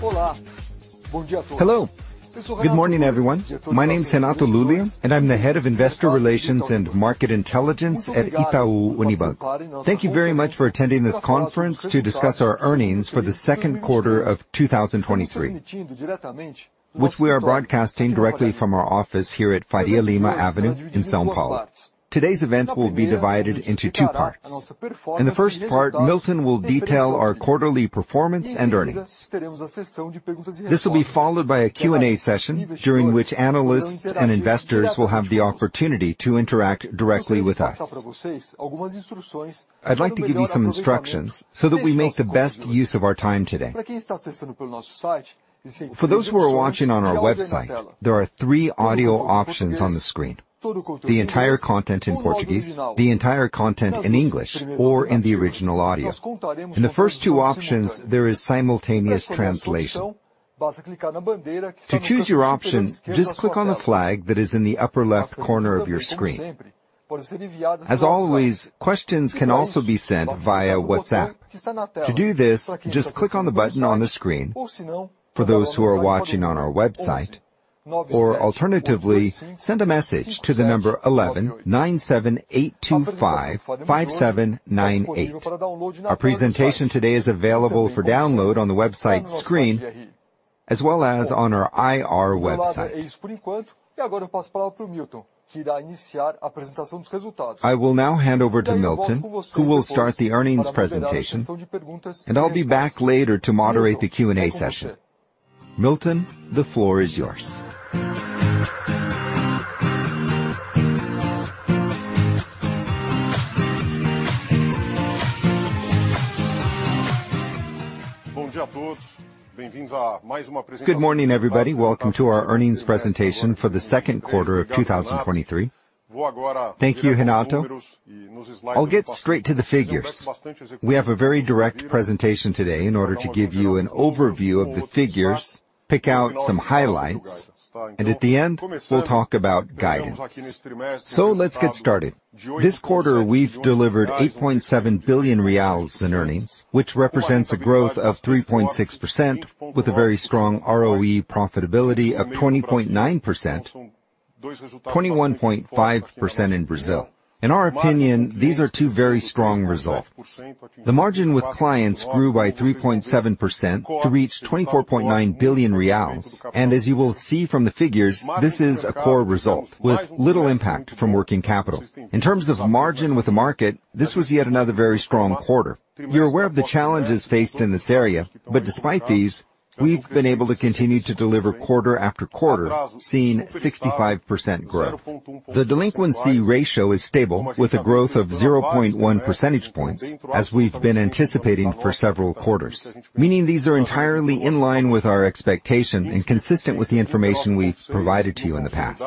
Hello! Good morning, everyone. My name is Renato Lulia, and I'm the Head of Investor Relations and Market Intelligence at Itaú Unibanco. Thank you very much for attending this conference to discuss our earnings for the second quarter of 2023, which we are broadcasting directly from our office here at Faria Lima Avenue in São Paulo. Today's event will be divided into two parts. In the first part, Milton will detail our quarterly performance and earnings. This will be followed by a Q&A session, during which analysts and investors will have the opportunity to interact directly with us. I'd like to give you some instructions so that we make the best use of our time today. For those who are watching on our website, there are three audio options on the screen: the entire content in Portuguese, the entire content in English, or in the original audio. In the first two options, there is simultaneous translation. To choose your option, just click on the flag that is in the upper left corner of your screen. As always, questions can also be sent via WhatsApp. To do this, just click on the button on the screen for those who are watching on our website, or alternatively, send a message to the number 11 97825 5798. Our presentation today is available for download on the website screen, as well as on our IR website. I will now hand over to Milton, who will start the earnings presentation, and I'll be back later to moderate the Q&A session. Milton, the floor is yours. Good morning, everybody. Welcome to our earnings presentation for the second quarter of 2023. Thank you, Renato. I'll get straight to the figures. We have a very direct presentation today in order to give you an overview of the figures, pick out some highlights, and at the end, we'll talk about guidance. Let's get started. This quarter, we've delivered BRL 8.7 billion in earnings, which represents a growth of 3.6%, with a very strong ROE profitability of 20.9%, 21.5% in Brazil. In our opinion, these are two very strong results. The margin with clients grew by 3.7% to reach BRL 24.9 billion, and as you will see from the figures, this is a core result with little impact from working capital. In terms of margin with the market, this was yet another very strong quarter. You're aware of the challenges faced in this area, but despite these, we've been able to continue to deliver quarter after quarter, seeing 65% growth. The delinquency ratio is stable, with a growth of 0.1 percentage points, as we've been anticipating for several quarters, meaning these are entirely in line with our expectations and consistent with the information we've provided to you in the past.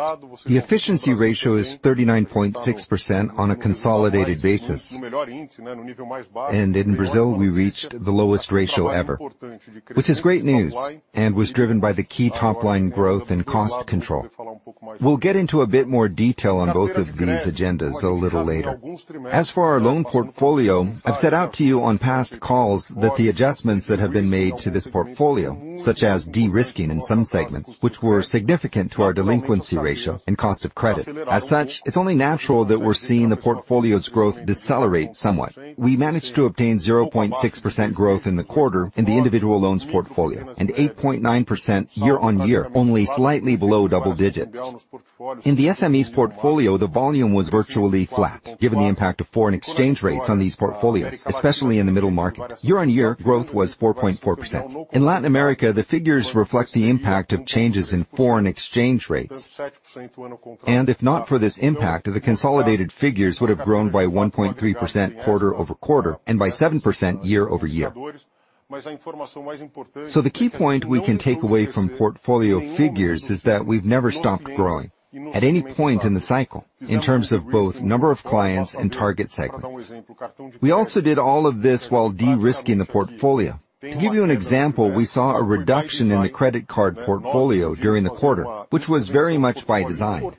The efficiency ratio is 39.6% on a consolidated basis. In Brazil, we reached the lowest ratio ever, which is great news and was driven by the key top-line growth and cost control. We'll get into a bit more detail on both of these agendas a little later. As for our loan portfolio, I've set out to you on past calls that the adjustments that have been made to this portfolio, such as de-risking in some segments, which were significant to our delinquency ratio and cost of credit. As such, it's only natural that we're seeing the portfolio's growth decelerate somewhat. We managed to obtain 0.6% growth in the quarter in the individual loans portfolio, and 8.9% year-on-year, only slightly below double digits. In the SMEs portfolio, the volume was virtually flat, given the impact of foreign exchange rates on these portfolios, especially in the middle market. Year-on-year, growth was 4.4%. In Latin America, the figures reflect the impact of changes in foreign exchange rates, and if not for this impact, the consolidated figures would have grown by 1.3% quarter-over-quarter and by 7% year-over-year. The key point we can take away from portfolio figures is that we've never stopped growing at any point in the cycle in terms of both number of clients and target segments. We also did all of this while de-risking the portfolio. To give you an example, we saw a reduction in the credit card portfolio during the quarter, which was very much by design.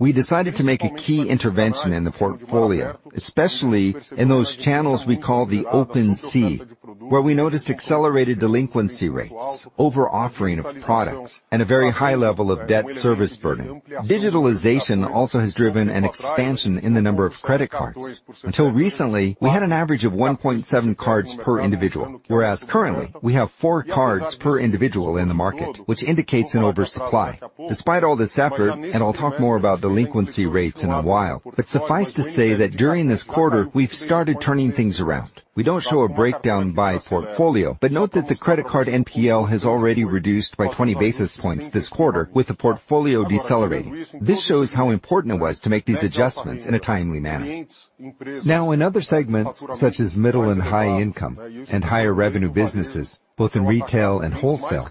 We decided to make a key intervention in the portfolio, especially in those channels we call the open sea, where we noticed accelerated delinquency rates, over-offering of products, and a very high level of debt service burden. Digitalization also has driven an expansion in the number of credit cards. Until recently, we had an average of 1.7 cards per individual, whereas currently, we have 4 cards per individual in the market, which indicates an oversupply. Despite all this effort, and I'll talk more about delinquency rates in a while, but suffice to say that during this quarter, we've started turning things around. We don't show a breakdown by portfolio, but note that the credit card NPL has already reduced by 20 basis points this quarter with the portfolio decelerating. This shows how important it was to make these adjustments in a timely manner. In other segments, such as middle and high income and higher revenue businesses, both in retail and wholesale,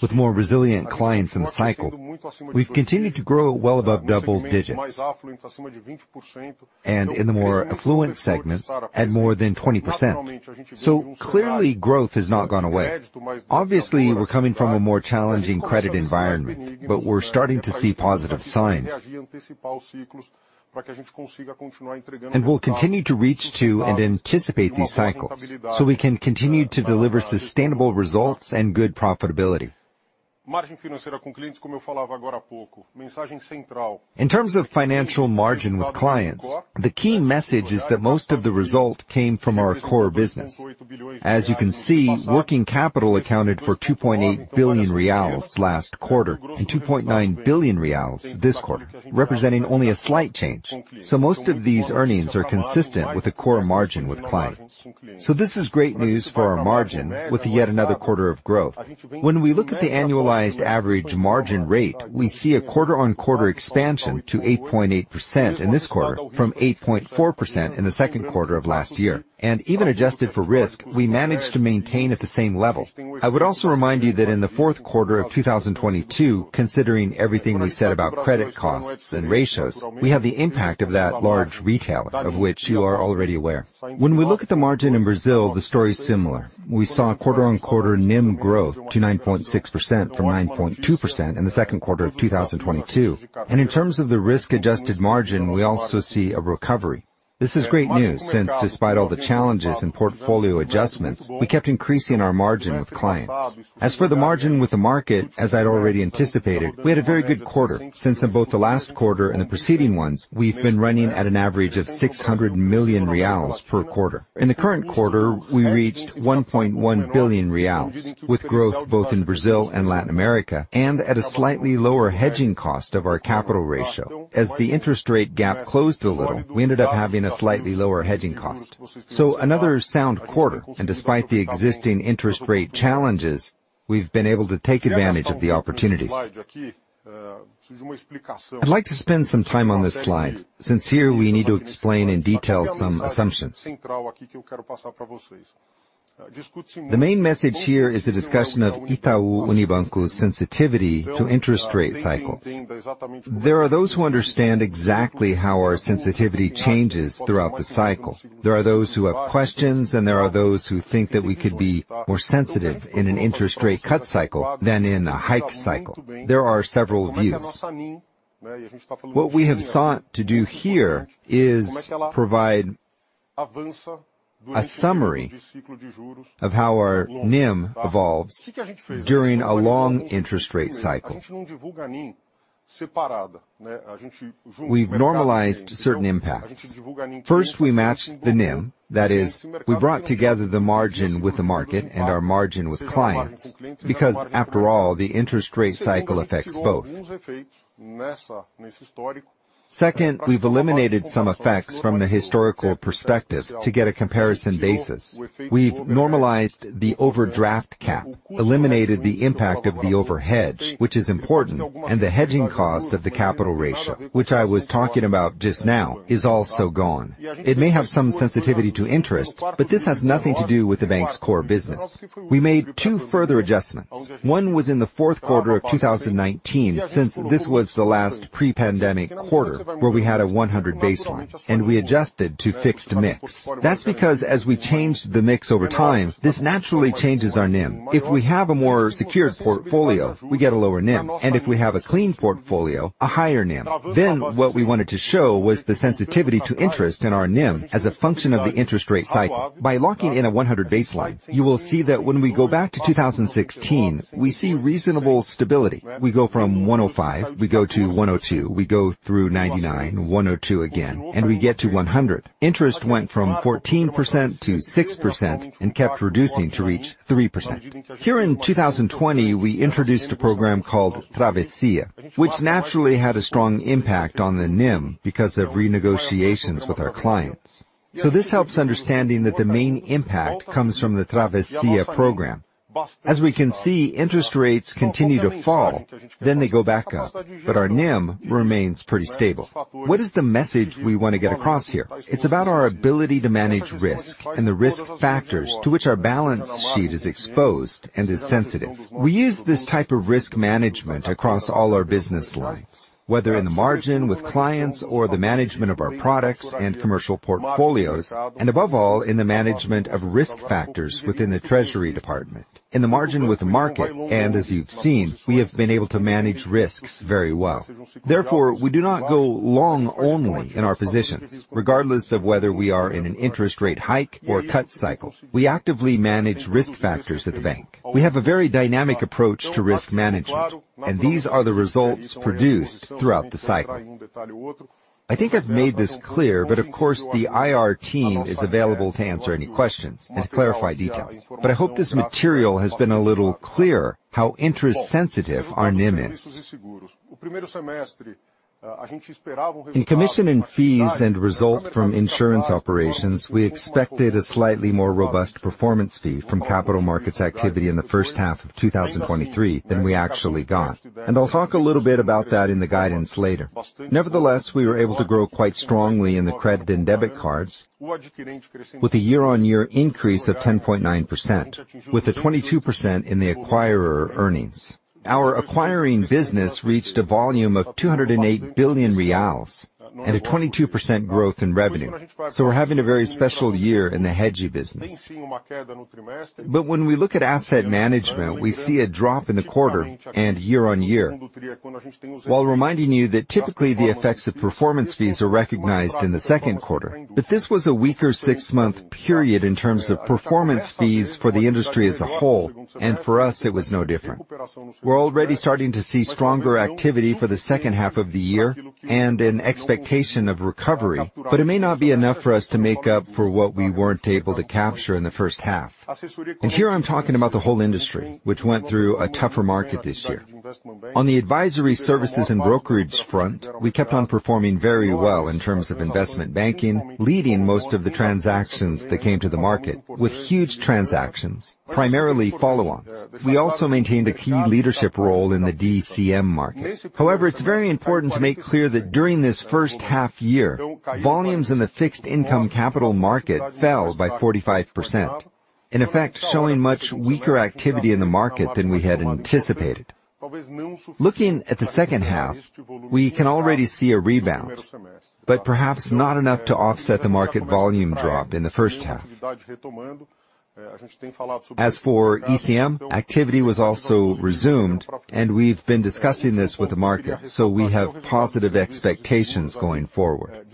with more resilient clients in the cycle, we've continued to grow well above double digits, and in the more affluent segments, at more than 20%. Clearly, growth has not gone away. Obviously, we're coming from a more challenging credit environment, but we're starting to see positive signs.... We'll continue to reach to and anticipate these cycles, so we can continue to deliver sustainable results and good profitability. In terms of financial margin with clients, the key message is that most of the result came from our core business. As you can see, working capital accounted for BRL 2.8 billion last quarter, and BRL 2.9 billion this quarter, representing only a slight change. Most of these earnings are consistent with the core margin with clients. This is great news for our margin, with yet another quarter of growth. When we look at the annualized average margin rate, we see a quarter-on-quarter expansion to 8.8% in this quarter, from 8.4% in the second quarter of last year. Even adjusted for risk, we managed to maintain at the same level. I would also remind you that in the fourth quarter of 2022, considering everything we said about credit costs and ratios, we have the impact of that large retailer, of which you are already aware. We look at the margin in Brazil, the story is similar. We saw a quarter-on-quarter NIM growth to 9.6% from 9.2% in the second quarter of 2022. In terms of the risk-adjusted margin, we also see a recovery. This is great news, since despite all the challenges and portfolio adjustments, we kept increasing our margin with clients. As for the margin with the market, as I'd already anticipated, we had a very good quarter, since in both the last quarter and the preceding ones, we've been running at an average of 600 million reais per quarter. In the current quarter, we reached 1.1 billion reais, with growth both in Brazil and Latin America, and at a slightly lower hedging cost of our capital ratio. As the interest rate gap closed a little, we ended up having a slightly lower hedging cost. Another sound quarter, and despite the existing interest rate challenges, we've been able to take advantage of the opportunities. I'd like to spend some time on this slide, since here we need to explain in detail some assumptions. The main message here is a discussion of Itaú Unibanco's sensitivity to interest rate cycles. There are those who understand exactly how our sensitivity changes throughout the cycle. There are those who have questions. There are those who think that we could be more sensitive in an interest rate cut cycle than in a hike cycle. There are several views. What we have sought to do here is provide a summary of how our NIM evolves during a long interest rate cycle. We've normalized certain impacts. First, we matched the NIM. That is, we brought together the margin with the market and our margin with clients, because after all, the interest rate cycle affects both. Second, we've eliminated some effects from the historical perspective to get a comparison basis. We've normalized the overdraft cap, eliminated the impact of the hedge, which is important, and the hedging cost of the capital ratio, which I was talking about just now, is also gone. It may have some sensitivity to interest, but this has nothing to do with the bank's core business. We made 2 further adjustments. One was in the fourth quarter of 2019, since this was the last pre-pandemic quarter where we had a 100 baseline, and we adjusted to fixed mix. That's because as we changed the mix over time, this naturally changes our NIM. If we have a more secured portfolio, we get a lower NIM, and if we have a clean portfolio, a higher NIM. What we wanted to show was the sensitivity to interest in our NIM as a function of the interest rate cycle. By locking in a 100 baseline, you will see that when we go back to 2016, we see reasonable stability. We go from 105, we go to 102, we go through 99, 102 again, and we get to 100. Interest went from 14% to 6% and kept reducing to reach 3%. Here in 2020, we introduced a program called Travessia, which naturally had a strong impact on the NIM because of renegotiations with our clients. This helps understanding that the main impact comes from the Travessia program. As we can see, interest rates continue to fall, then they go back up, but our NIM remains pretty stable. What is the message we want to get across here? It's about our ability to manage risk and the risk factors to which our balance sheet is exposed and is sensitive. We use this type of risk management across all our business lines, whether in the margin with clients or the management of our products and commercial portfolios, and above all, in the management of risk factors within the treasury department. In the margin with the market, as you've seen, we have been able to manage risks very well. Therefore, we do not go long only in our positions, regardless of whether we are in an interest rate hike or cut cycle. We actively manage risk factors at the bank. We have a very dynamic approach to risk management, these are the results produced throughout the cycle. I think I've made this clear, of course, the IR team is available to answer any questions and clarify details. I hope this material has been a little clearer how interest sensitive our NIM is. In commission and fees and result from insurance operations, we expected a slightly more robust performance fee from capital markets activity in the first half of 2023 than we actually got, and I'll talk a little bit about that in the guidance later. Nevertheless, we were able to grow quite strongly in the credit and debit cards, with a year-on-year increase of 10.9%, with a 22% in the acquirer earnings. Our acquiring business reached a volume of BRL 208 billion and a 22% growth in revenue. We're having a very special year in the Hedge business. When we look at asset management, we see a drop in the quarter and year-on-year, while reminding you that typically, the effects of performance fees are recognized in the second quarter. This was a weaker six-month period in terms of performance fees for the industry as a whole, and for us, it was no different. We're already starting to see stronger activity for the second half of the year and an expectation of recovery, but it may not be enough for us to make up for what we weren't able to capture in the first half. Here I'm talking about the whole industry, which went through a tougher market this year. On the advisory services and brokerage front, we kept on performing very well in terms of investment banking, leading most of the transactions that came to the market, with huge transactions, primarily follow-ons. We also maintained a key leadership role in the DCM market. It's very important to make clear that during this first half year, volumes in the fixed income capital market fell by 45%, in effect, showing much weaker activity in the market than we had anticipated. Looking at the second half, we can already see a rebound, but perhaps not enough to offset the market volume drop in the first half. As for ECM, activity was also resumed, and we've been discussing this with the market, we have positive expectations going forward.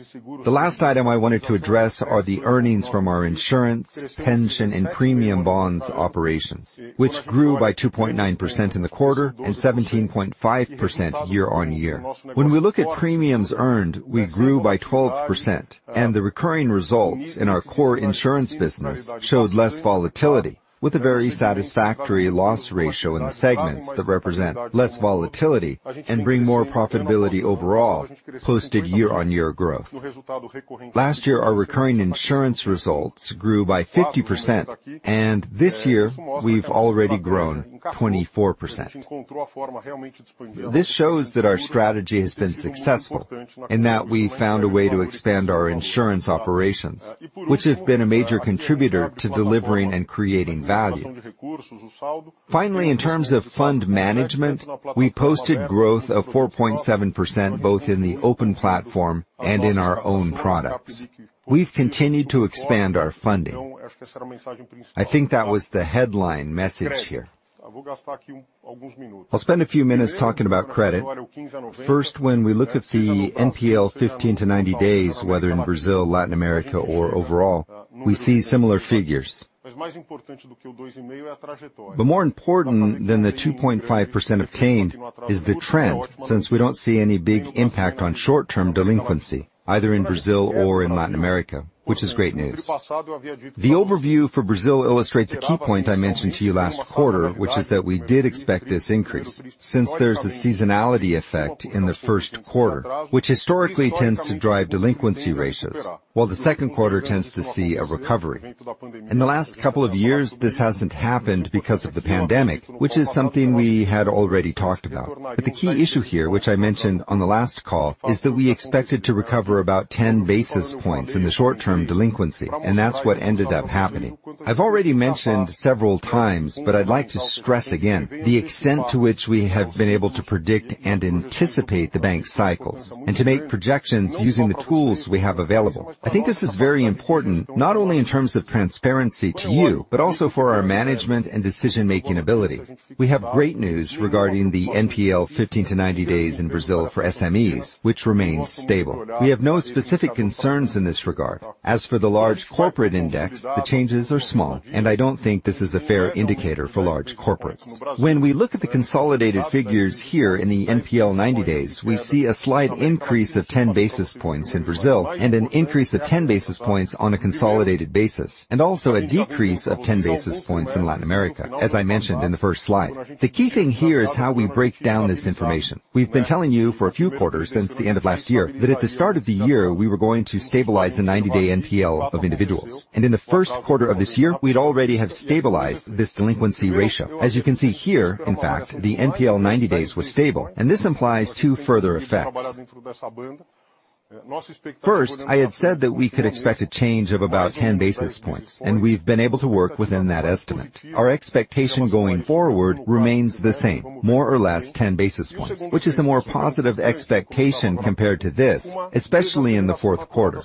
The last item I wanted to address are the earnings from our insurance, pension, and premium bonds operations, which grew by 2.9% in the quarter and 17.5% year-over-year. When we look at premiums earned, we grew by 12%. The recurring results in our core insurance business showed less volatility, with a very satisfactory loss ratio in the segments that represent less volatility and bring more profitability overall, posted year-on-year growth. Last year, our recurring insurance results grew by 50%. This year, we've already grown 24%. This shows that our strategy has been successful, and that we've found a way to expand our insurance operations, which have been a major contributor to delivering and creating value. Finally, in terms of fund management, we posted growth of 4.7%, both in the open platform and in our own products. We've continued to expand our funding. I think that was the headline message here. I'll spend a few minutes talking about credit. First, when we look at the NPL, 15-90 days, whether in Brazil, Latin America, or overall, we see similar figures. More important than the 2.5% obtained is the trend, since we don't see any big impact on short-term delinquency, either in Brazil or in Latin America, which is great news. The overview for Brazil illustrates a key point I mentioned to you last quarter, which is that we did expect this increase, since there's a seasonality effect in the first quarter, which historically tends to drive delinquency ratios, while the second quarter tends to see a recovery. In the last couple of years, this hasn't happened because of the pandemic, which is something we had already talked about. The key issue here, which I mentioned on the last call, is that we expected to recover about 10 basis points in the short-term delinquency, and that's what ended up happening. I've already mentioned several times, but I'd like to stress again, the extent to which we have been able to predict and anticipate the bank's cycles and to make projections using the tools we have available. I think this is very important, not only in terms of transparency to you, but also for our management and decision-making ability. We have great news regarding the NPL, 15 to 90 days in Brazil for SMEs, which remains stable. We have no specific concerns in this regard. As for the large corporate index, the changes are small, and I don't think this is a fair indicator for large corporates. When we look at the consolidated figures here in the NPL 90 days, we see a slight increase of 10 basis points in Brazil and an increase of 10 basis points on a consolidated basis, and also a decrease of 10 basis points in Latin America, as I mentioned in the first slide. The key thing here is how we break down this information. We've been telling you for a few quarters since the end of last year, that at the start of the year, we were going to stabilize the 90-day NPL of individuals, and in the first quarter of this year, we'd already have stabilized this delinquency ratio. As you can see here, in fact, the NPL 90 days was stable, and this implies two further effects. First, I had said that we could expect a change of about 10 basis points, and we've been able to work within that estimate. Our expectation going forward remains the same, more or less 10 basis points, which is a more positive expectation compared to this, especially in the fourth quarter.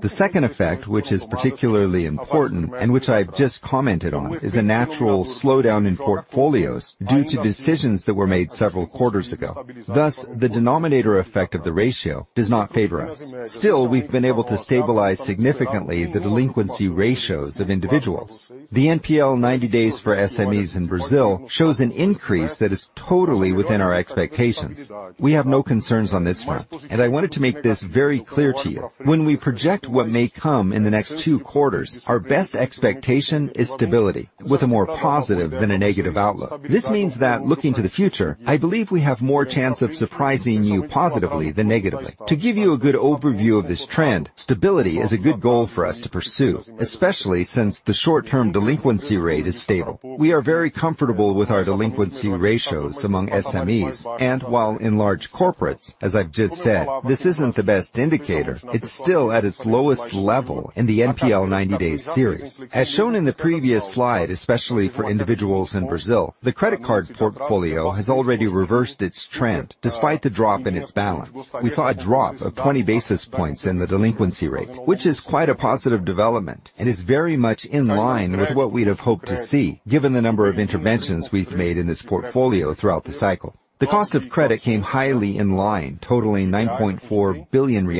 The second effect, which is particularly important and which I've just commented on, is a natural slowdown in portfolios due to decisions that were made several quarters ago. The denominator effect of the ratio does not favor us. Still, we've been able to stabilize significantly the delinquency ratios of individuals. The NPL 90 days for SMEs in Brazil shows an increase that is totally within our expectations. We have no concerns on this front, and I wanted to make this very clear to you. When we project what may come in the next two quarters, our best expectation is stability, with a more positive than a negative outlook. This means that looking to the future, I believe we have more chance of surprising you positively than negatively. To give you a good overview of this trend, stability is a good goal for us to pursue, especially since the short-term delinquency rate is stable. We are very comfortable with our delinquency ratios among SMEs, and while in large corporates, as I've just said, this isn't the best indicator, it's still at its lowest level in the NPL 90-days series. As shown in the previous slide, especially for individuals in Brazil, the credit card portfolio has already reversed its trend despite the drop in its balance. We saw a drop of 20 basis points in the delinquency rate, which is quite a positive development and is very much in line with what we'd have hoped to see, given the number of interventions we've made in this portfolio throughout the cycle. The cost of credit came highly in line, totaling BRL 9.4 billion,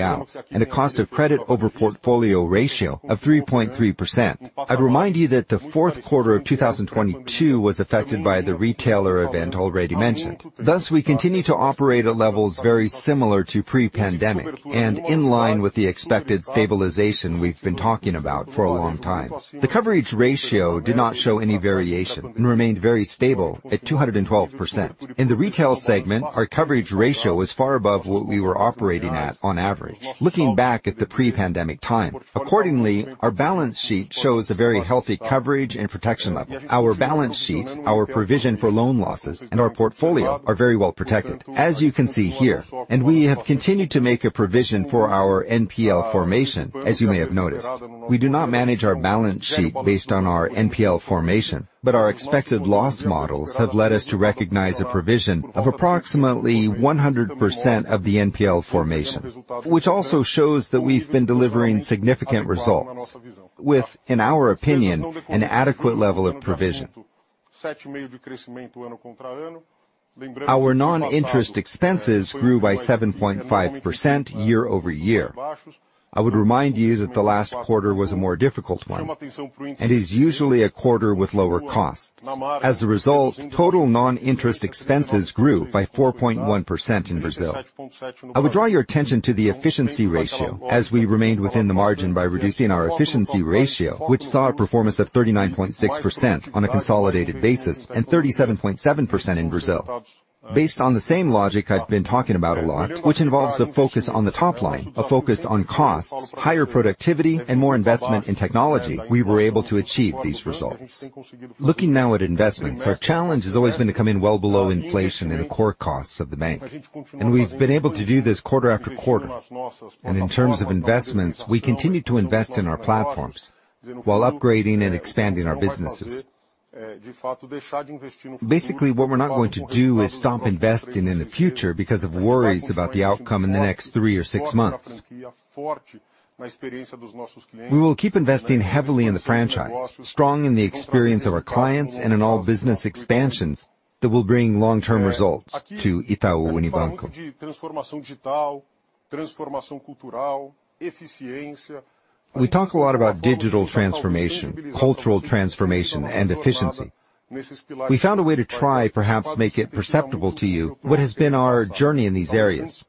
and a cost of credit over portfolio ratio of 3.3%. I remind you that the fourth quarter of 2022 was affected by the retailer event already mentioned. Thus, we continue to operate at levels very similar to pre-pandemic and in line with the expected stabilization we've been talking about for a long time. The coverage ratio did not show any variation and remained very stable at 212%. In the retail segment, our coverage ratio is far above what we were operating at on average, looking back at the pre-pandemic time. Accordingly, our balance sheet shows a very healthy coverage and protection level. Our balance sheet, our provision for loan losses, and our portfolio are very well protected, as you can see here, and we have continued to make a provision for our NPL formation, as you may have noticed. We do not manage our balance sheet based on our NPL formation, but our expected loss models have led us to recognize a provision of approximately 100% of the NPL formation, which also shows that we've been delivering significant results with, in our opinion, an adequate level of provision. Our non-interest expenses grew by 7.5% year-over-year. I would remind you that the last quarter was a more difficult one and is usually a quarter with lower costs. As a result, total non-interest expenses grew by 4.1% in Brazil. I would draw your attention to the efficiency ratio, as we remained within the margin by reducing our efficiency ratio, which saw a performance of 39.6% on a consolidated basis and 37.7% in Brazil. Based on the same logic I've been talking about a lot, which involves a focus on the top line, a focus on costs, higher productivity, and more investment in technology, we were able to achieve these results. Looking now at investments, our challenge has always been to come in well below inflation in the core costs of the bank, and we've been able to do this quarter after quarter. In terms of investments, we continue to invest in our platforms while upgrading and expanding our businesses. Basically, what we're not going to do is stop investing in the future because of worries about the outcome in the next 3 or 6 months. We will keep investing heavily in the franchise, strong in the experience of our clients and in all business expansions that will bring long-term results to Itaú Unibanco. We talk a lot about digital transformation, cultural transformation, and efficiency. We found a way to try, perhaps, make it perceptible to you what has been our journey in these areas.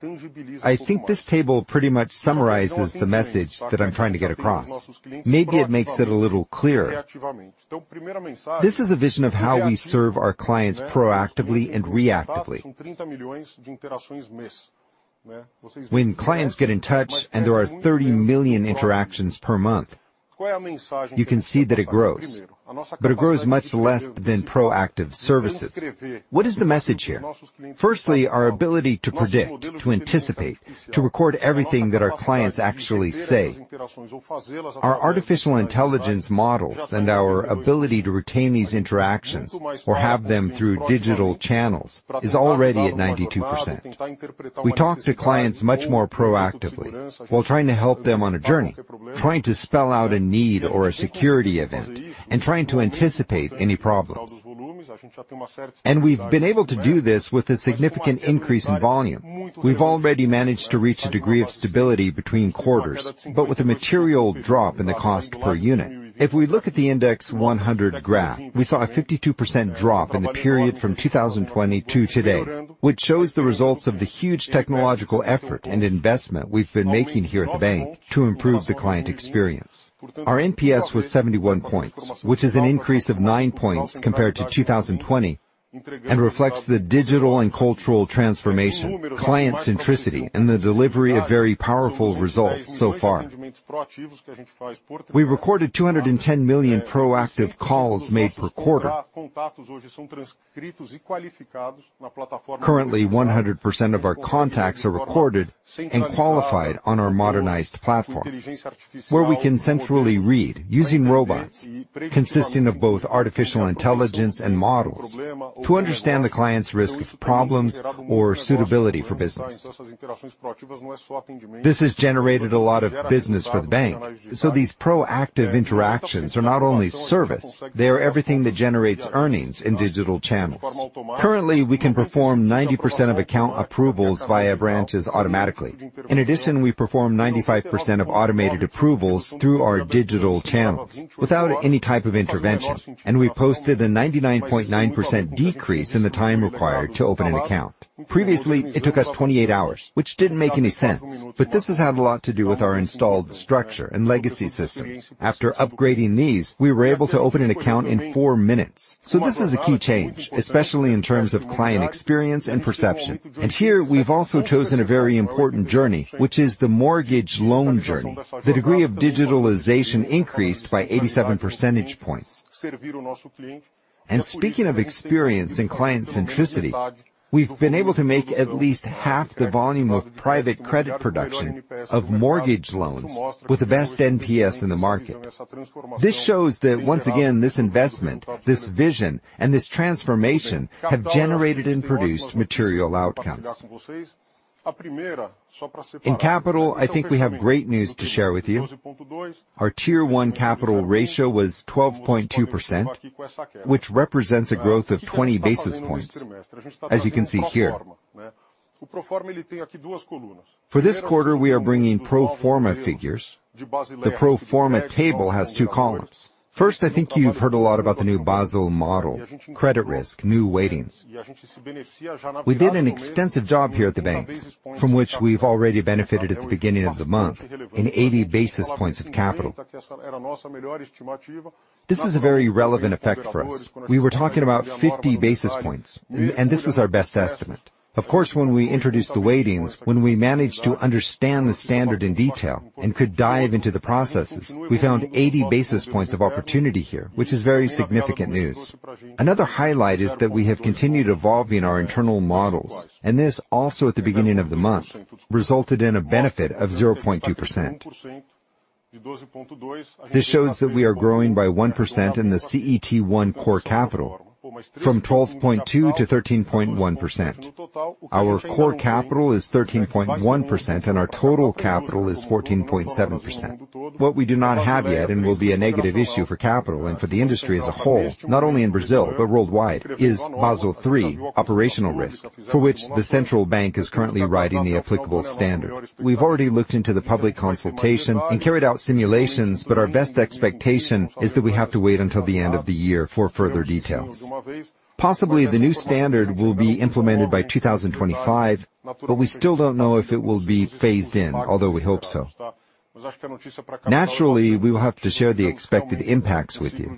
I think this table pretty much summarizes the message that I'm trying to get across. Maybe it makes it a little clearer. This is a vision of how we serve our clients proactively and reactively. When clients get in touch, and there are 30 million interactions per month, you can see that it grows, but it grows much less than proactive services. What is the message here? Firstly, our ability to predict, to anticipate, to record everything that our clients actually say. Our artificial intelligence models and our ability to retain these interactions or have them through digital channels is already at 92%. We talk to clients much more proactively while trying to help them on a journey, trying to spell out a need or a security event, and trying to anticipate any problems. We've been able to do this with a significant increase in volume. We've already managed to reach a degree of stability between quarters, but with a material drop in the cost per unit. If we look at the index 100 graph, we saw a 52% drop in the period from 2020 to today, which shows the results of the huge technological effort and investment we've been making here at the bank to improve the client experience. Our NPS was 71 points, which is an increase of 9 points compared to 2020....reflects the digital and cultural transformation, client centricity, and the delivery of very powerful results so far. We recorded 210 million proactive calls made per quarter. Currently, 100% of our contacts are recorded and qualified on our modernized platform, where we can centrally read, using robots, consisting of both artificial intelligence and models, to understand the client's risk problems or suitability for business. This has generated a lot of business for the bank, so these proactive interactions are not only service, they are everything that generates earnings in digital channels. Currently, we can perform 90% of account approvals via branches automatically. In addition, we perform 95% of automated approvals through our digital channels without any type of intervention, and we posted a 99.9% decrease in the time required to open an account. Previously, it took us 28 hours, which didn't make any sense, but this has had a lot to do with our installed structure and legacy systems. After upgrading these, we were able to open an account in four minutes. This is a key change, especially in terms of client experience and perception. Here, we've also chosen a very important journey, which is the mortgage loan journey. The degree of digitalization increased by 87 percentage points. Speaking of experience in client centricity, we've been able to make at least half the volume of private credit production of mortgage loans with the best NPS in the market. This shows that, once again, this investment, this vision, and this transformation have generated and produced material outcomes. In capital, I think we have great news to share with you. Our Tier 1 capital ratio was 12.2%, which represents a growth of 20 basis points, as you can see here. For this quarter, we are bringing pro forma figures. The pro forma table has two columns. First, I think you've heard a lot about the new Basel model, credit risk, new weightings. We did an extensive job here at the bank, from which we've already benefited at the beginning of the month in 80 basis points of capital. This is a very relevant effect for us. We were talking about 50 basis points, and this was our best estimate. Of course, when we introduced the weightings, when we managed to understand the standard in detail and could dive into the processes, we found 80 basis points of opportunity here, which is very significant news. Another highlight is that we have continued evolving our internal models, this also, at the beginning of the month, resulted in a benefit of 0.2%. This shows that we are growing by 1% in the CET1 core capital from 12.2% to 13.1%. Our core capital is 13.1%, and our total capital is 14.7%. What we do not have yet, and will be a negative issue for capital and for the industry as a whole, not only in Brazil, but worldwide, is Basel III operational risk, for which the central bank is currently writing the applicable standard. We've already looked into the public consultation and carried out simulations, but our best expectation is that we have to wait until the end of the year for further details. Possibly, the new standard will be implemented by 2025, but we still don't know if it will be phased in, although we hope so. Naturally, we will have to share the expected impacts with you.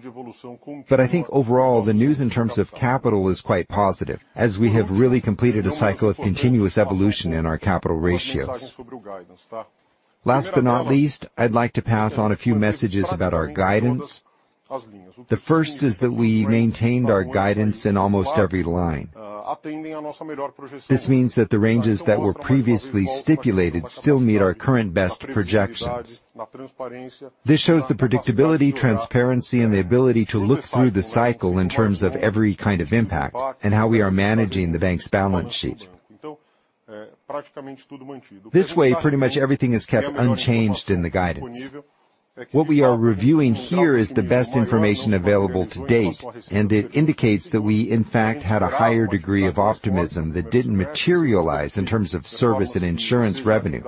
I think overall, the news in terms of capital is quite positive, as we have really completed a cycle of continuous evolution in our capital ratios. Last but not least, I'd like to pass on a few messages about our guidance. The first is that we maintained our guidance in almost every line. This means that the ranges that were previously stipulated still meet our current best projections. This shows the predictability, transparency, and the ability to look through the cycle in terms of every kind of impact and how we are managing the bank's balance sheet. This way, pretty much everything is kept unchanged in the guidance. What we are reviewing here is the best information available to date, and it indicates that we, in fact, had a higher degree of optimism that didn't materialize in terms of service and insurance revenue.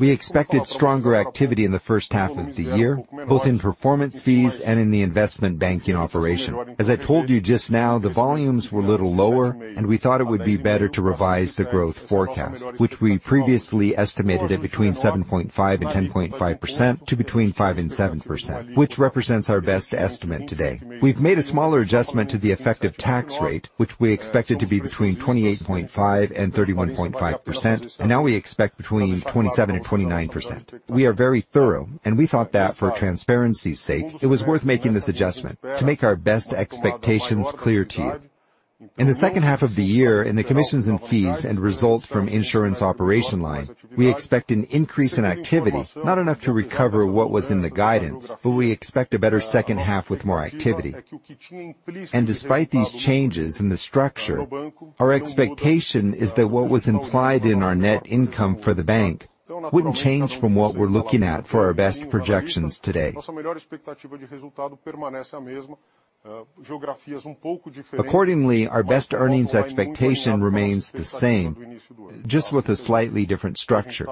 We expected stronger activity in the first half of the year, both in performance fees and in the investment banking operation. As I told you just now, the volumes were a little lower, and we thought it would be better to revise the growth forecast, which we previously estimated at between 7.5% and 10.5% to between 5% and 7%, which represents our best estimate today. We've made a smaller adjustment to the effective tax rate, which we expected to be between 28.5% and 31.5%, and now we expect between 27% and 29%. We are very thorough, and we thought that for transparency's sake, it was worth making this adjustment to make our best expectations clear to you. In the second half of the year, in the commissions and fees and result from insurance operation line, we expect an increase in activity, not enough to recover what was in the guidance, but we expect a better second half with more activity. Despite these changes in the structure, our expectation is that what was implied in our net income for the bank wouldn't change from what we're looking at for our best projections today. Accordingly, our best earnings expectation remains the same, just with a slightly different structure,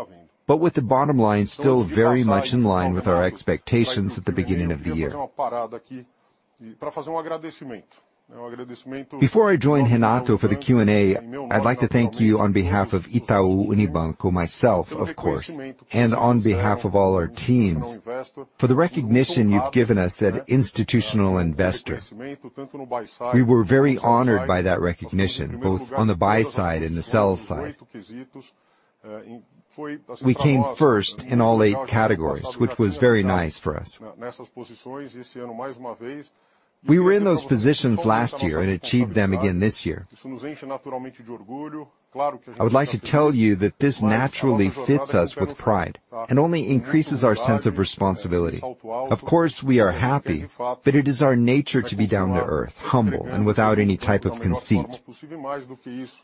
but with the bottom line still very much in line with our expectations at the beginning of the year. Before I join Renato for the Q&A, I'd like to thank you on behalf of Itaú Unibanco, myself, of course, and on behalf of all our teams, for the recognition you've given us at Institutional Investor. We were very honored by that recognition, both on the buy side and the sell side. We came first in all 8 categories, which was very nice for us. We were in those positions last year and achieved them again this year. I would like to tell you that this naturally fits us with pride, and only increases our sense of responsibility. Of course, we are happy, but it is our nature to be down to earth, humble, and without any type of conceit.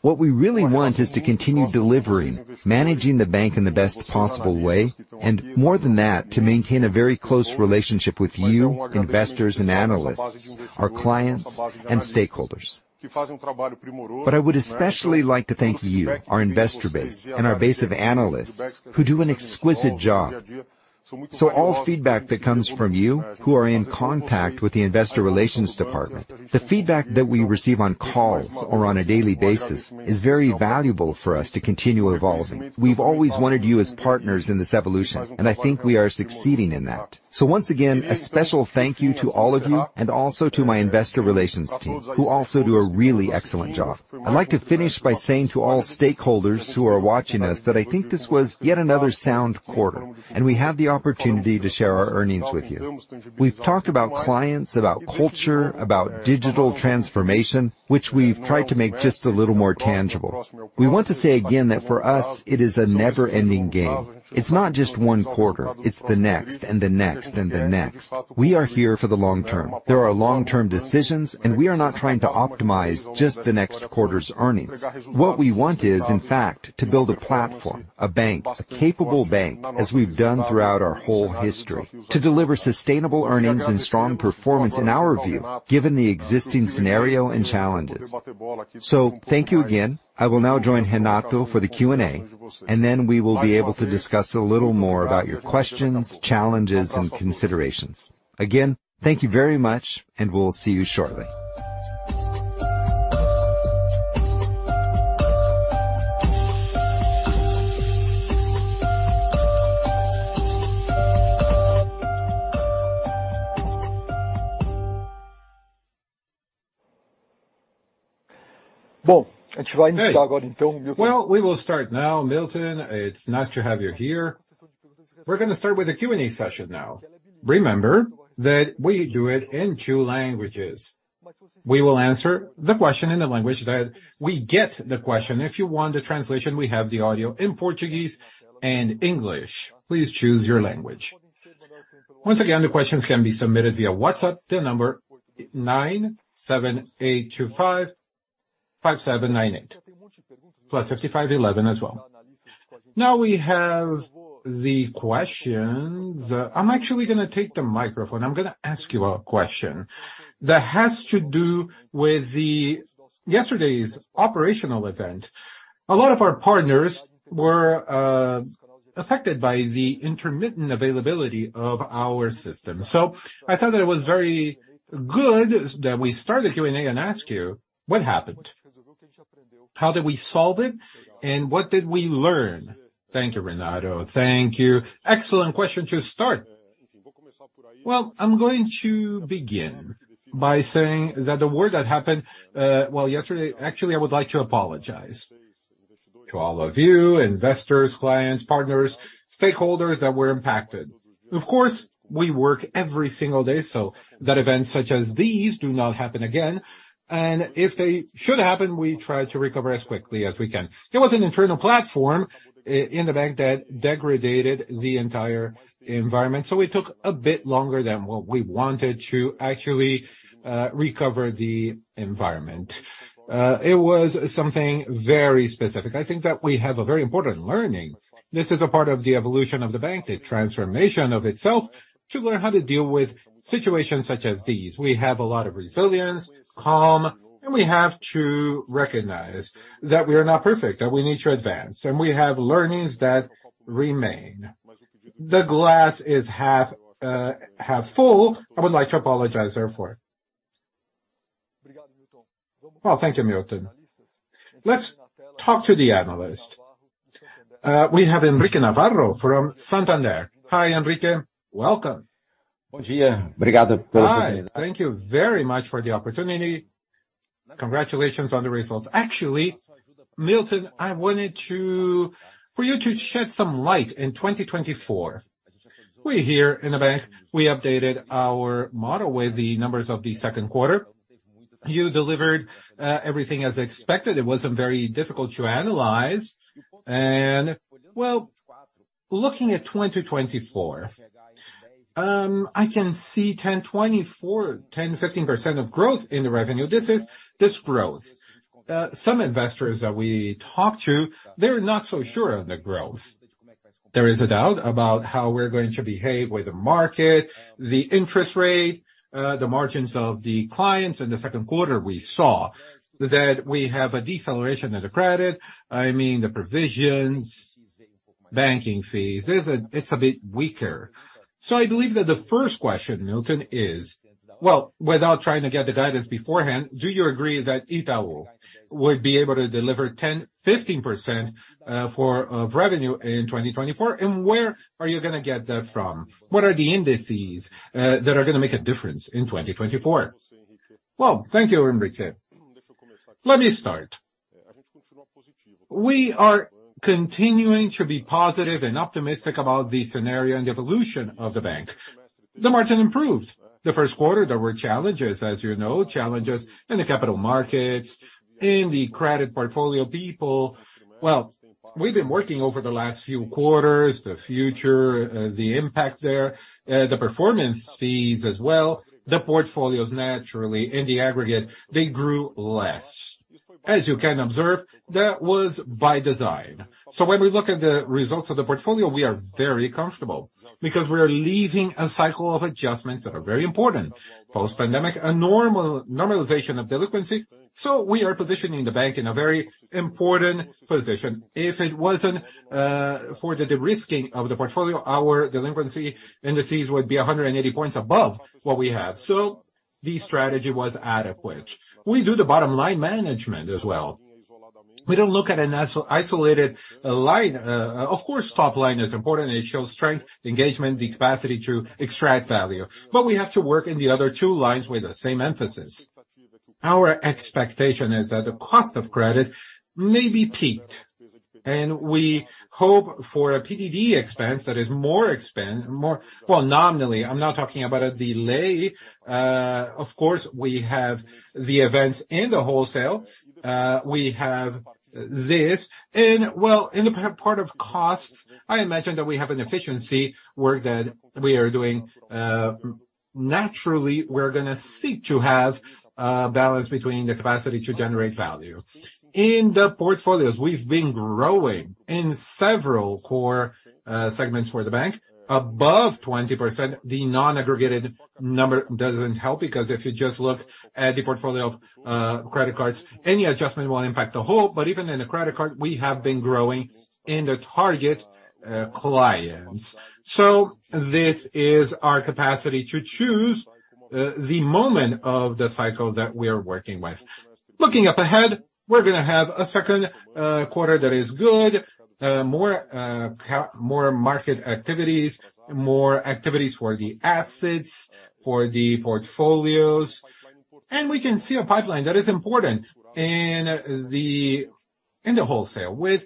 What we really want is to continue delivering, managing the bank in the best possible way, and more than that, to maintain a very close relationship with you, investors and analysts, our clients and stakeholders. I would especially like to thank you, our investor base and our base of analysts, who do an exquisite job. All feedback that comes from you, who are in contact with the investor relations department, the feedback that we receive on calls or on a daily basis, is very valuable for us to continue evolving. We've always wanted you as partners in this evolution, and I think we are succeeding in that. Once again, a special thank you to all of you and also to my investor relations team, who also do a really excellent job. I'd like to finish by saying to all stakeholders who are watching us, that I think this was yet another sound quarter, and we have the opportunity to share our earnings with you. We've talked about clients, about culture, about digital transformation, which we've tried to make just a little more tangible. We want to say again that for us, it is a never-ending game. It's not just one quarter, it's the next, and the next, and the next. We are here for the long term. There are long-term decisions, and we are not trying to optimize just the next quarter's earnings. What we want is, in fact, to build a platform, a bank, a capable bank, as we've done throughout our whole history, to deliver sustainable earnings and strong performance, in our view, given the existing scenario and challenges. Thank you again. I will now join Renato for the Q&A, and then we will be able to discuss a little more about your questions, challenges, and considerations. Again, thank you very much, and we'll see you shortly. Well, we will start now, Milton. It's nice to have you here. We're gonna start with the Q&A session now. Remember that we do it in two languages. We will answer the question in the language that we get the question. If you want the translation, we have the audio in Portuguese and English. Please choose your language. Once again, the questions can be submitted via WhatsApp, the number 978255798, plus 5511 as well. Now we have the questions. I'm actually gonna take the microphone. I'm gonna ask you a question that has to do with the yesterday's operational event. A lot of our partners were affected by the intermittent availability of our system, so I thought that it was very good that we start the Q&A and ask you, what happened? How did we solve it, and what did we learn? Thank you, Renato Lulia. Thank you. Excellent question to start. Well, I'm going to begin by saying that the work that happened, well, yesterday... Actually, I would like to apologize to all of you investors, clients, partners, stakeholders that were impacted. Of course, we work every single day so that events such as these do not happen again, and if they should happen, we try to recover as quickly as we can. It was an internal platform in the bank that degraded the entire environment. It took a bit longer than what we wanted to actually recover the environment. It was something very specific. I think that we have a very important learning. This is a part of the evolution of the bank, the transformation of itself, to learn how to deal with situations such as these. We have a lot of resilience, calm, and we have to recognize that we are not perfect, that we need to advance, and we have learnings that remain. The glass is half, half full. I would like to apologize therefore. Well, thank you, Milton. Let's talk to the analyst. We have Henrique Navarro from Santander. Hi, Henrique. Welcome. Hi. Thank you very much for the opportunity. Congratulations on the results. Actually, Milton, I wanted to for you to shed some light in 2024. We here in the bank, we updated our model with the numbers of the second quarter. You delivered everything as expected. It wasn't very difficult to analyze. Well, looking at 2024, I can see 10%-15% of growth in the revenue. This is this growth. Some investors that we talk to, they're not so sure of the growth. There is a doubt about how we're going to behave with the market, the interest rate, the margins of the clients. In the second quarter, we saw that we have a deceleration of the credit, I mean, the provisions, banking fees. There's a It's a bit weaker. I believe that the first question, Milton, is. Without trying to get the guidance beforehand, do you agree that Itaú would be able to deliver 10, 15% for of revenue in 2024? Where are you gonna get that from? What are the indices that are gonna make a difference in 2024? Thank you, Henrique. Let me start. We are continuing to be positive and optimistic about the scenario and evolution of the bank. The margin improved. The first quarter, there were challenges, as you know, challenges in the capital markets, in the credit portfolio people. Well, we've been working over the last few quarters, the future, the impact there, the performance fees as well, the portfolios naturally, in the aggregate, they grew less. As you can observe, that was by design. When we look at the results of the portfolio, we are very comfortable because we are leaving a cycle of adjustments that are very important. Post-pandemic, a normalization of delinquency, we are positioning the bank in a very important position. If it wasn't for the de-risking of the portfolio, our delinquency indices would be 180 points above what we have. The strategy was adequate. We do the bottom line management as well. We don't look at an isolated line. Of course, top line is important, it shows strength, engagement, the capacity to extract value, but we have to work in the other two lines with the same emphasis. Our expectation is that the cost of credit may be peaked, and we hope for a PDD expense that is more expand. Well, nominally, I'm not talking about a delay. Of course, we have the events in the wholesale. We have this, and well, in the part of costs, I imagine that we have an efficiency work that we are doing. Naturally, we're gonna seek to have a balance between the capacity to generate value. In the portfolios, we've been growing in several core segments for the bank. Above 20%, the non-aggregated number doesn't help, because if you just look at the portfolio of credit cards, any adjustment will impact the whole, but even in the credit card, we have been growing in the target clients. This is our capacity to choose the moment of the cycle that we are working with. Looking up ahead, we're gonna have a second quarter that is good, more market activities, more activities for the assets, for the portfolios. We can see a pipeline that is important in the wholesale, with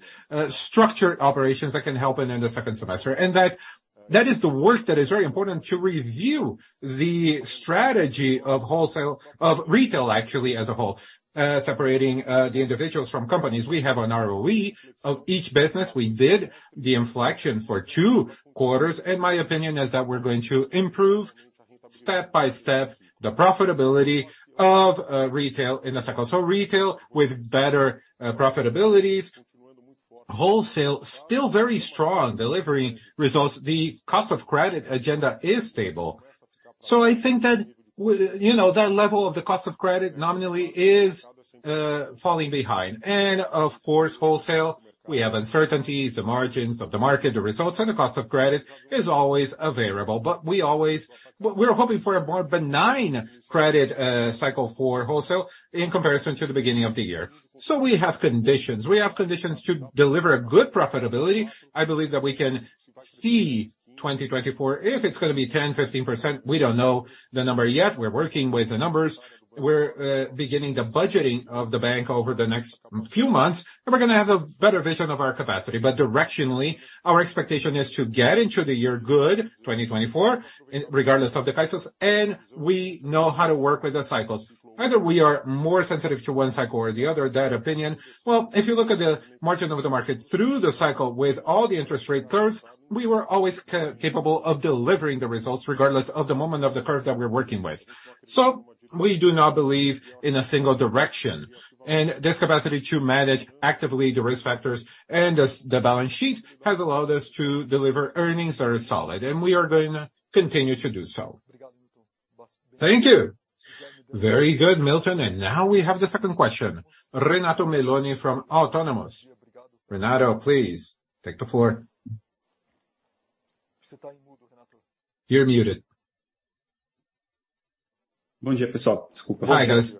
structured operations that can help in the second semester. That, that is the work that is very important to review the strategy of wholesale, of retail, actually, as a whole. Separating the individuals from companies. We have an ROE of each business. We did the inflection for 2 quarters. My opinion is that we're going to improve, step by step, the profitability of retail in the second. Retail with better profitabilities. Wholesale, still very strong, delivering results. The cost of credit agenda is stable. I think that, you know, that level of the cost of credit, nominally, is falling behind. Of course, wholesale, we have uncertainties, the margins of the market, the results, and the cost of credit is always a variable. We always, we're hoping for a more benign credit cycle for wholesale in comparison to the beginning of the year. We have conditions. We have conditions to deliver a good profitability. I believe that we can see 2024, if it's gonna be 10%-15%, we don't know the number yet. We're working with the numbers. We're beginning the budgeting of the bank over the next few months, and we're gonna have a better vision of our capacity. Directionally, our expectation is to get into the year good, 2024, in regardless of the crisis, and we know how to work with the cycles. Either we are more sensitive to one cycle or the other, that opinion. If you look at the margins of the market, through the cycle, with all the interest rate curves, we were always capable of delivering the results, regardless of the moment of the curve that we're working with. We do not believe in a single direction, and this capacity to manage actively the risk factors and the balance sheet has allowed us to deliver earnings that are solid, and we are gonna continue to do so. Thank you. Very good, Milton, and now we have the second question. Renato Meloni from Autonomous. Renato, please, take the floor. You're muted. Hi, guys.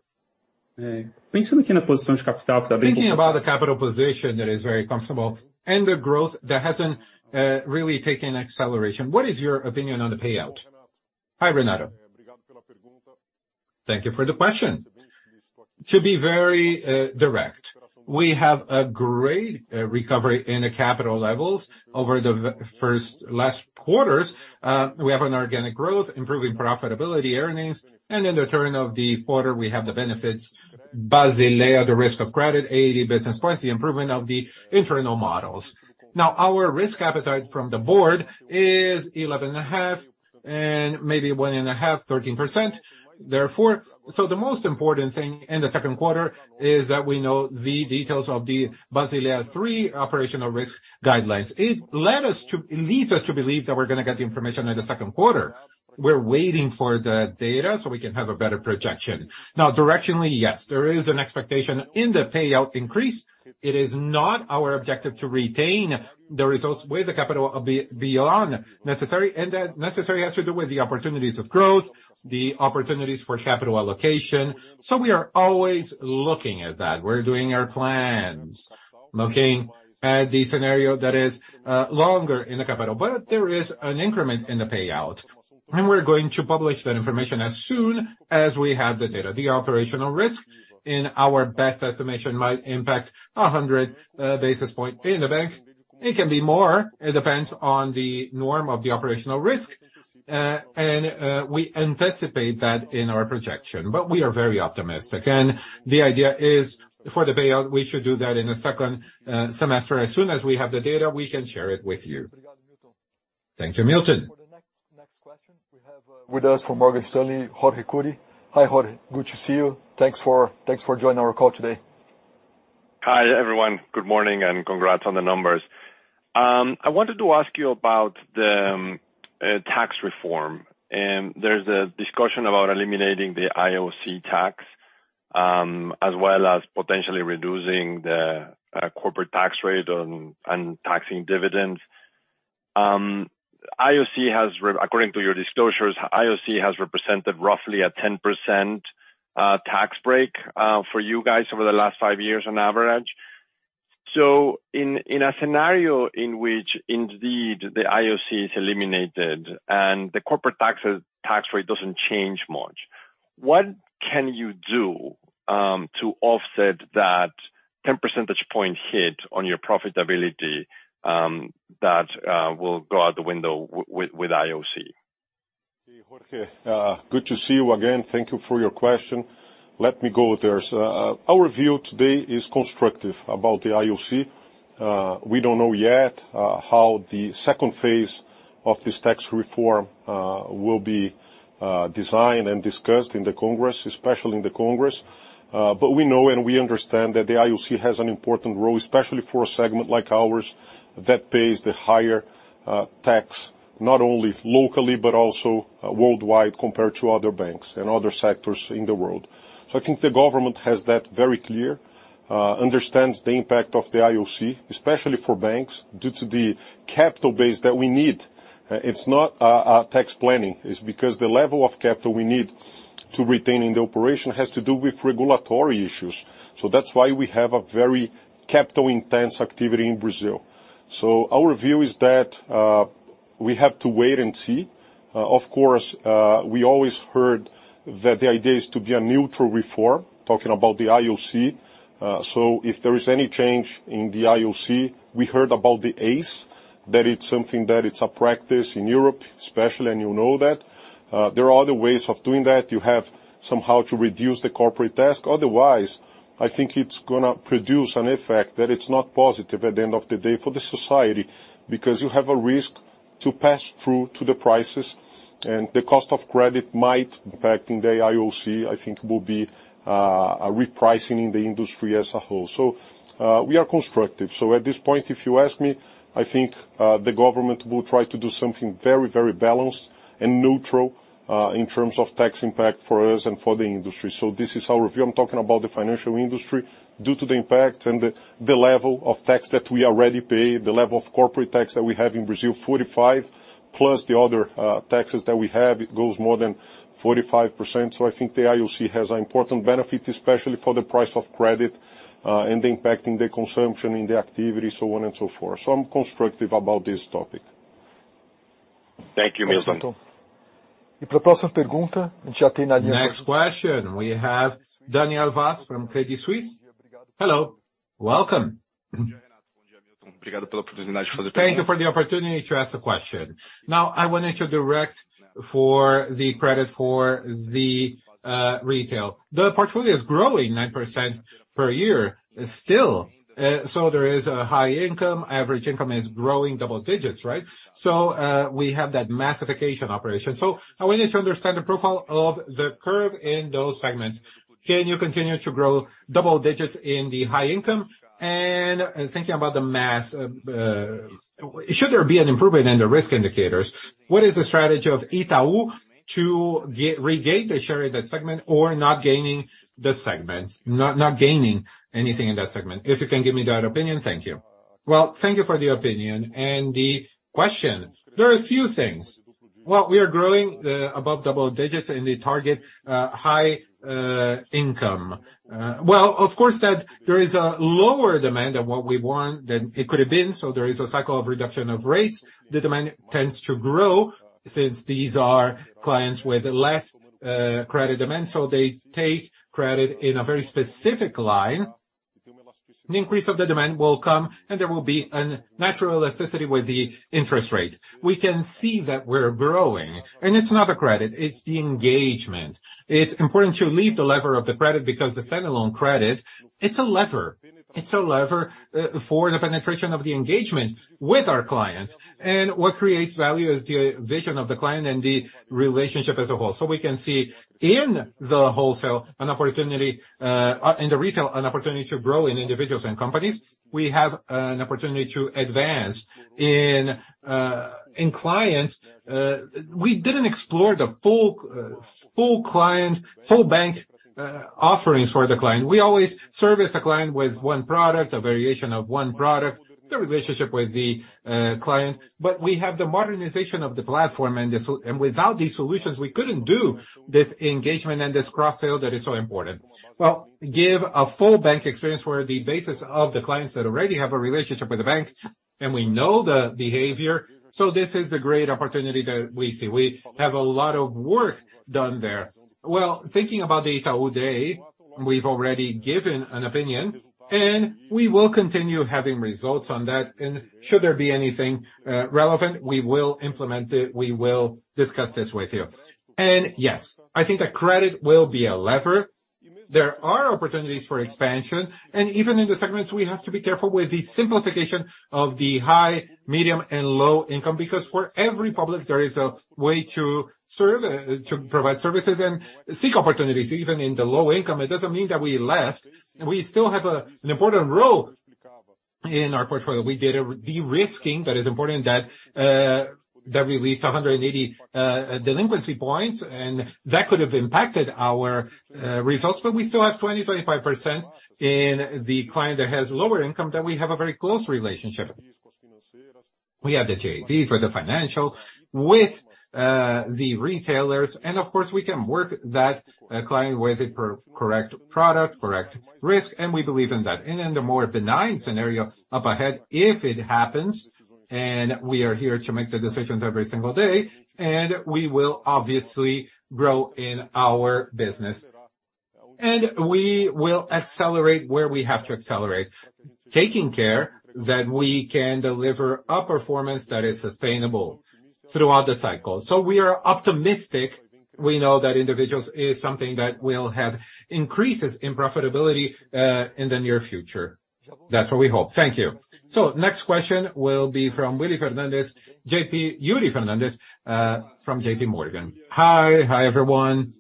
Thinking about the capital position that is very comfortable and the growth that hasn't really taken acceleration, what is your opinion on the payout? Hi, Renato. Thank you for the question. To be very direct, we have a great recovery in the capital levels over the first last quarters. We have an organic growth, improving profitability, earnings, and in the return of the quarter, we have the benefits, Basel layer, the risk of credit, 80 basis points, the improvement of the internal models. Our risk appetite from the board is 11.5, and maybe 1.5, 13%. The most important thing in the second quarter is that we know the details of the Basel III operational risk guidelines. It leads us to believe that we're gonna get the information in the second quarter. We're waiting for the data so we can have a better projection. Directionally, yes, there is an expectation in the payout increase. It is not our objective to retain the results with the capital beyond necessary, and that necessary has to do with the opportunities of growth, the opportunities for capital allocation. We are always looking at that. We're doing our plans, looking at the scenario that is longer in the capital, but there is an increment in the payout. We're going to publish that information as soon as we have the data. The operational risk, in our best estimation, might impact 100 basis point in the bank. It can be more, it depends on the norm of the operational risk. We anticipate that in our projection, but we are very optimistic. The idea is for the payout, we should do that in the second semester. As soon as we have the data, we can share it with you. Thank you, Milton. For the next, next question, we have with us from Morgan Stanley, Jorge Kuri. Hi, Jorge. Good to see you. Thanks for, thanks for joining our call today. Hi, everyone. Good morning, and congrats on the numbers. I wanted to ask you about the tax reform. There's a discussion about eliminating the IOF tax, as well as potentially reducing the corporate tax rate and, and taxing dividends. IOF has re-- according to your disclosures, IOF has represented roughly a 10% tax break for you guys over the last 5 years on average. In, in a scenario in which indeed the IOF is eliminated and the corporate tax, tax rate doesn't change much, what can you do to offset that 10 percentage point hit on your profitability that will go out the window w-with, with IOF? Okay, Jorge, good to see you again. Thank you for your question. Let me go there. Our view today is constructive about the IOF. We don't know yet how the second phase of this tax reform will be designed and discussed in the Congress, especially in the Congress. But we know and we understand that the IOF has an important role, especially for a segment like ours, that pays the higher tax, not only locally, but also worldwide, compared to other banks and other sectors in the world. I think the government has that very clear, understands the impact of the IOF, especially for banks, due to the capital base that we need. It's not our tax planning, it's because the level of capital we need to retain in the operation has to do with regulatory issues. That's why we have a very capital-intense activity in Brazil. Our view is that we have to wait and see. Of course, we always heard that the idea is to be a neutral reform, talking about the IOF. If there is any change in the IOF, we heard about the ACE, that it's something that it's a practice in Europe, especially, and you know that. There are other ways of doing that. You have somehow to reduce the corporate tax. Otherwise, I think it's gonna produce an effect that it's not positive at the end of the day for the society, because you have a risk to pass through to the prices, and the cost of credit might impact in the IOF, I think will be a repricing in the industry as a whole. We are constructive. At this point, if you ask me, I think the government will try to do something very, very balanced and neutral in terms of tax impact for us and for the industry. This is our view. I'm talking about the financial industry. Due to the impact and the, the level of tax that we already pay, the level of corporate tax that we have in Brazil, 45, plus the other taxes that we have, it goes more than 45%. I think the IOF has an important benefit, especially for the price of credit, and impacting the consumption in the activity, so on and so forth. I'm constructive about this topic. Thank you, Milton. Next question, we have Daniel Vaz from Credit Suisse. Hello, welcome. Thank you for the opportunity to ask a question. I wanted to direct for the credit for the retail. The portfolio is growing 9% per year still, there is a high income. Average income is growing double digits, right? We have that massification operation. I wanted to understand the profile of the curve in those segments. Can you continue to grow double digits in the high income? Thinking about the mass, should there be an improvement in the risk indicators, what is the strategy of Itaú to regain the share in that segment or not gaining the segment, not, not gaining anything in that segment? If you can give me that opinion, thank you. Well, thank you for the opinion and the question. There are a few things. Well, we are growing above double digits in the target high income. Well, of course, that there is a lower demand than what we want, than it could have been, so there is a cycle of reduction of rates. The demand tends to grow since these are clients with less credit demand, so they take credit in a very specific line. The increase of the demand will come, and there will be a natural elasticity with the interest rate. We can see that we're growing, and it's not the credit, it's the engagement. It's important to leave the lever of the credit, because the stand-alone credit, it's a lever. It's a lever for the penetration of the engagement with our clients. What creates value is the vision of the client and the relationship as a whole. We can see in the wholesale, an opportunity in the retail, an opportunity to grow in individuals and companies. We have an opportunity to advance in clients. We didn't explore the full client, full bank offerings for the client. We always service a client with one product, a variation of one product, the relationship with the client, but we have the modernization of the platform, and without these solutions, we couldn't do this engagement and this cross-sale that is so important. Give a full bank experience where the basis of the clients that already have a relationship with the bank, and we know the behavior. This is a great opportunity that we see. We have a lot of work done there. Thinking about the Itaú Day... We've already given an opinion, and we will continue having results on that, and should there be anything relevant, we will implement it. We will discuss this with you. Yes, I think that credit will be a lever. There are opportunities for expansion, and even in the segments, we have to be careful with the simplification of the high, medium, and low income, because for every public, there is a way to serve, to provide services and seek opportunities, even in the low income. It doesn't mean that we left. We still have an important role in our portfolio. We did a de-risking that is important, that released 180 delinquency points, and that could have impacted our results, but we still have 20%-25% in the client that has lower income, that we have a very close relationship. We have the JVs with the financial, with the retailers. Of course, we can work that client with the per-correct product, correct risk. We believe in that. In the more benign scenario up ahead, if it happens, we are here to make the decisions every single day. We will obviously grow in our business. We will accelerate where we have to accelerate, taking care that we can deliver a performance that is sustainable throughout the cycle. We are optimistic. We know that individuals is something that will have increases in profitability in the near future. That's what we hope. Thank you. Next question will be from Yuri Fernandes, Yuri Fernandes from JPMorgan. Hi. Hi, everyone.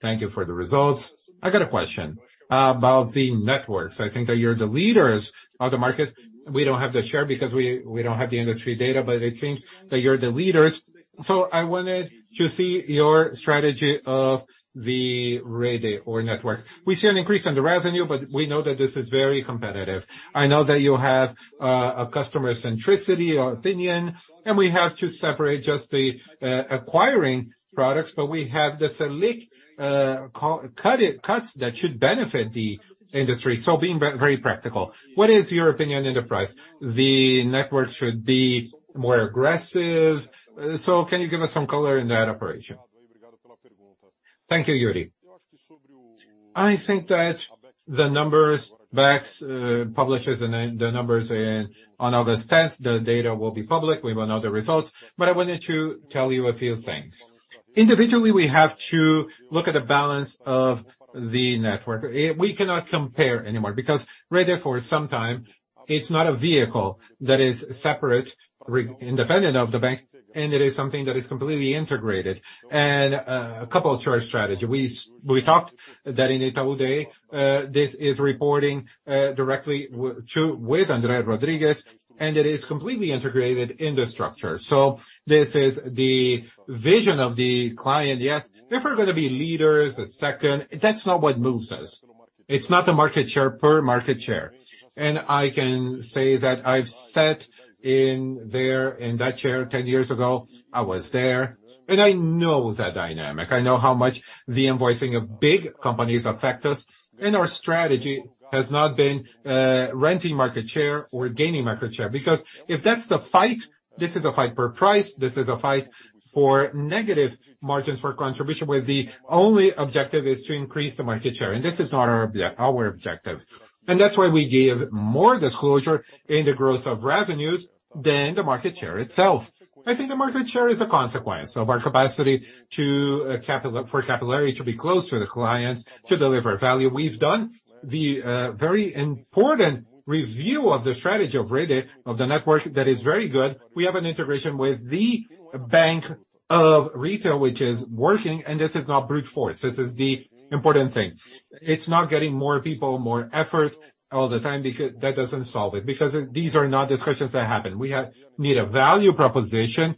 Thank you for the results. I got a question about the networks. I think that you're the leaders of the market. We don't have the share because we, we don't have the industry data, but it seems that you're the leaders. I wanted to see your strategy of the Rede or network. We see an increase in the revenue, but we know that this is very competitive. I know that you have a customer centricity or opinion, and we have to separate just the acquiring products, but we have the Selic cuts that should benefit the industry. Being very practical, what is your opinion in the price? The network should be more aggressive. Can you give us some color in that operation? Thank you, Yuri. I think that the numbers, banks, publishes the numbers in, on August 10th, the data will be public. We will know the results, but I wanted to tell you a few things. Individually, we have to look at the balance of the network. We cannot compare anymore because Rede, for some time, it's not a vehicle that is separate, independent of the bank, and it is something that is completely integrated. A couple of charge strategy. We talked that in Itaú Day, this is reporting directly with Andre Rodrigues, and it is completely integrated in the structure. This is the vision of the client. Yes, if we're gonna be leaders, a second, that's not what moves us. It's not the market share per market share. I can say that I've sat in there, in that chair 10 years ago, I was there, and I know that dynamic. I know how much the invoicing of big companies affect us. Our strategy has not been renting market share or gaining market share. Because if that's the fight, this is a fight for price, this is a fight for negative margins for contribution, where the only objective is to increase the market share, and this is not our objective. That's why we give more disclosure in the growth of revenues than the market share itself. I think the market share is a consequence of our capacity for capillarity, to be close to the clients, to deliver value. We've done the very important review of the strategy of Rede, of the network. That is very good. We have an integration with the Bank of Retail, which is working. This is not brute force. This is the important thing. It's not getting more people, more effort all the time, because that doesn't solve it, because these are not discussions that happen. We need a value proposition.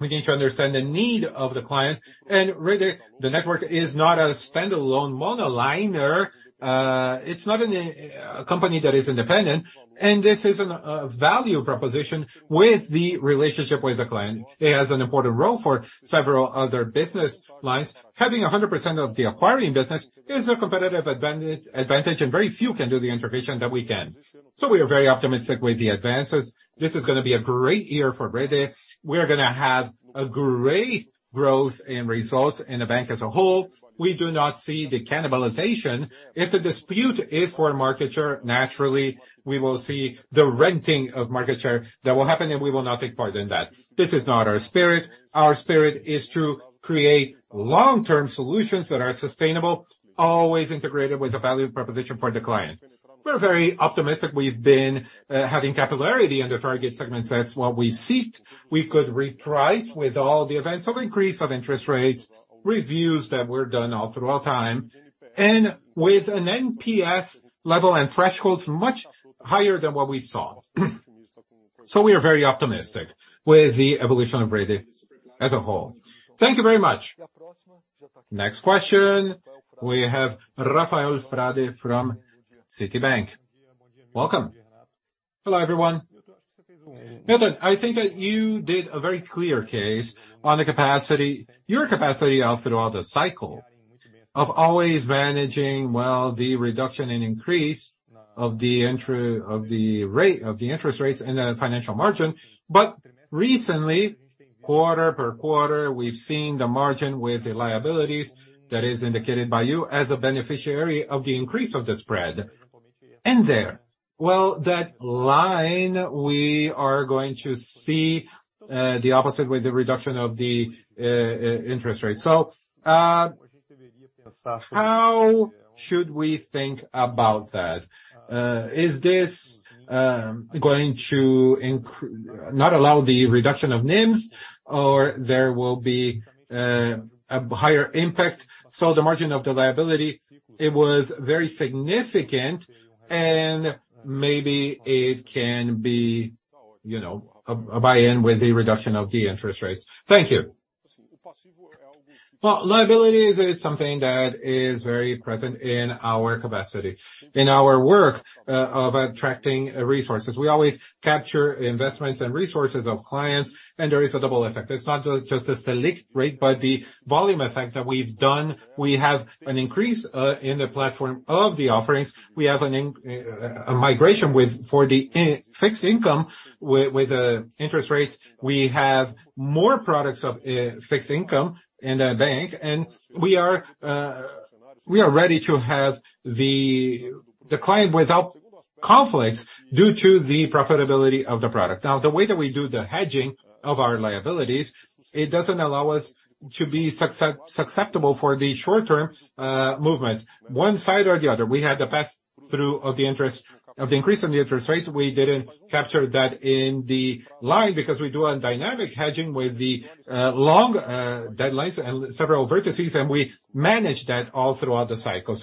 We need to understand the need of the client. Rede, the network, is not a standalone monoliner. it's not a company that is independent, and this is a value proposition with the relationship with the client. It has an important role for several other business lines. Having a 100% of the acquiring business is a competitive advantage, and very few can do the integration that we can. We are very optimistic with the advances. This is gonna be a great year for Rede. We are gonna have a great growth in results in the bank as a whole. We do not see the cannibalization. If the dispute is for market share, naturally, we will see the renting of market share that will happen, and we will not take part in that. This is not our spirit. Our spirit is to create long-term solutions that are sustainable, always integrated with the value proposition for the client. We're very optimistic. We've been having capillarity in the target segment. That's what we seek. We could reprice with all the events of increase of interest rates, reviews that were done all throughout time, and with an NPS level and thresholds much higher than what we saw. We are very optimistic with the evolution of Rede as a whole. Thank you very much. Next question, we have Rafael Frade from Citibank. Welcome. Hello, everyone. Milton, I think that you did a very clear case on the capacity, your capacity all throughout the cycle of always managing well the reduction and increase of the rate, of the interest rates and the financial margin. Recently. Quarter per quarter, we've seen the margin with the liabilities that is indicated by you as a beneficiary of the increase of the spread. That line, we are going to see the opposite with the reduction of the interest rates. How should we think about that? Is this going to not allow the reduction of NIMs or there will be a higher impact? The margin of the liability, it was very significant, and maybe it can be, you know, a buy-in with the reduction of the interest rates. Thank you. Well, liability is something that is very present in our capacity, in our work, of attracting resources. We always capture investments and resources of clients. There is a double effect. It's not just a select rate, but the volume effect that we've done. We have an increase in the platform of the offerings. We have a migration for the fixed income with the interest rates. We have more products of fixed income in the bank. We are ready to have the client without conflicts due to the profitability of the product. Now, the way that we do the hedging of our liabilities, it doesn't allow us to be susceptible for the short-term movements, one side or the other. We had the pass-through of the increase in the interest rates. We didn't capture that in the line because we do a dynamic hedging with the long deadlines and several vertices, and we manage that all throughout the cycle.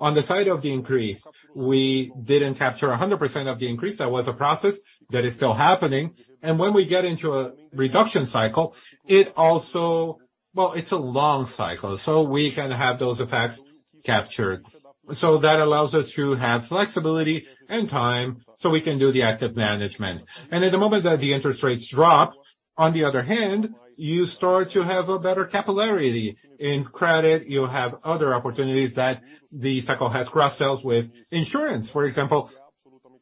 On the side of the increase, we didn't capture 100% of the increase. That was a process that is still happening. When we get into a reduction cycle, it also. Well, it's a long cycle, we can have those effects captured. That allows us to have flexibility and time, we can do the active management. At the moment that the interest rates drop, on the other hand, you start to have a better capillarity. In credit, you have other opportunities that the cycle has cross-sells. With insurance, for example,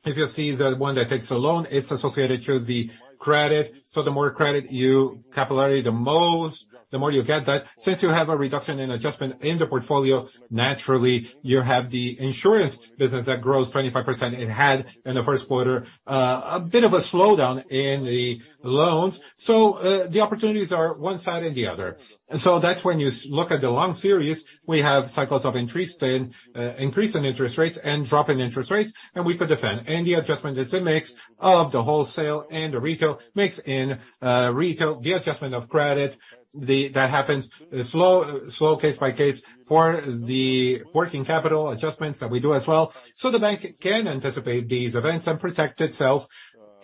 if you see the one that takes a loan, it's associated to the credit. The more credit you capillary the most, the more you get that. Since you have a reduction in adjustment in the portfolio, naturally, you have the insurance business that grows 25%. It had, in the first quarter, a bit of a slowdown in the loans. The opportunities are one side and the other. That's when you look at the long series, we have cycles of increase in interest rates and drop in interest rates, and we could defend. The adjustment is a mix of the wholesale and the retail, mix in retail, the adjustment of credit, that happens slow, slow, case by case, for the working capital adjustments that we do as well. The bank can anticipate these events and protect itself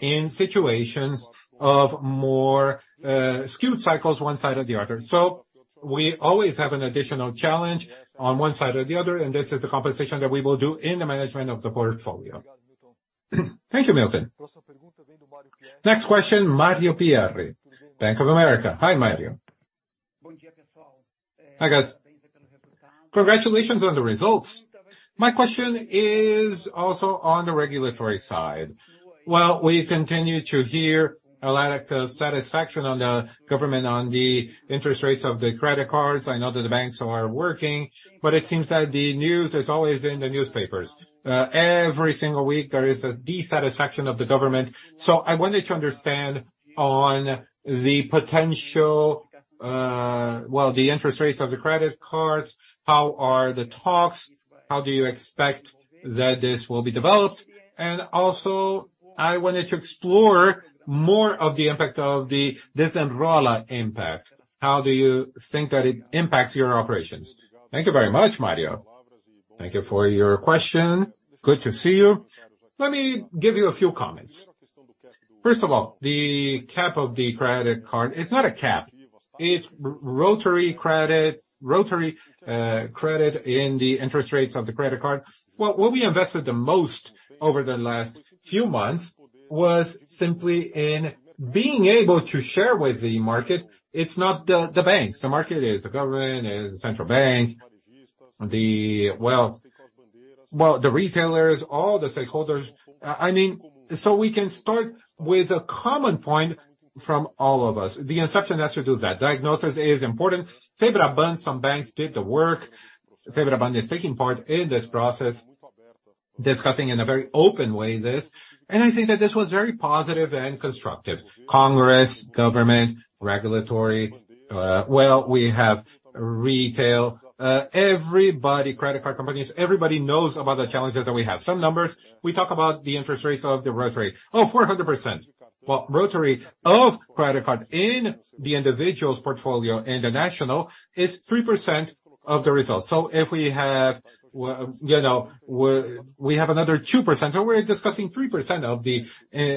in situations of more skewed cycles, one side or the other. We always have an additional challenge on one side or the other, and this is the compensation that we will do in the management of the portfolio. Thank you, Milton. Next question, Mario Pierry, Bank of America. Hi, Mario. Hi, guys. Congratulations on the results. My question is also on the regulatory side. Well, we continue to hear a lot of satisfaction on the government, on the interest rates of the credit cards. I know that the banks are working, but it seems that the news is always in the newspapers. Every single week, there is a dissatisfaction of the government. I wanted to understand on the potential... Well, the interest rates of the credit cards, how are the talks? How do you expect that this will be developed? Also, I wanted to explore more of the impact of the Desenrola impact. How do you think that it impacts your operations? Thank you very much, Mario. Thank you for your question. Good to see you. Let me give you a few comments. First of all, the cap of the credit card is not a cap. It's rotary credit, rotary credit in the interest rates of the credit card. Well, what we invested the most over the last few months was simply in being able to share with the market. It's not the, the banks, the market, is the government, is the Central Bank, the, well, well, the retailers, all the stakeholders. I mean, so we can start with a common point from all of us. The instruction has to do with that. Diagnosis is important. FEBRABAN, some banks did the work. FEBRABAN is taking part in this process, discussing in a very open way, this, and I think that this was very positive and constructive. Congress, government, regulatory, well, we have retail, everybody, credit card companies, everybody knows about the challenges that we have. Some numbers, we talk about the interest rates of the rotary, 400%. Well, rotary of credit card in the individual's portfolio, in the national, is 3% of the results. If we have, well, you know, we, we have another 2%, and we're discussing 3%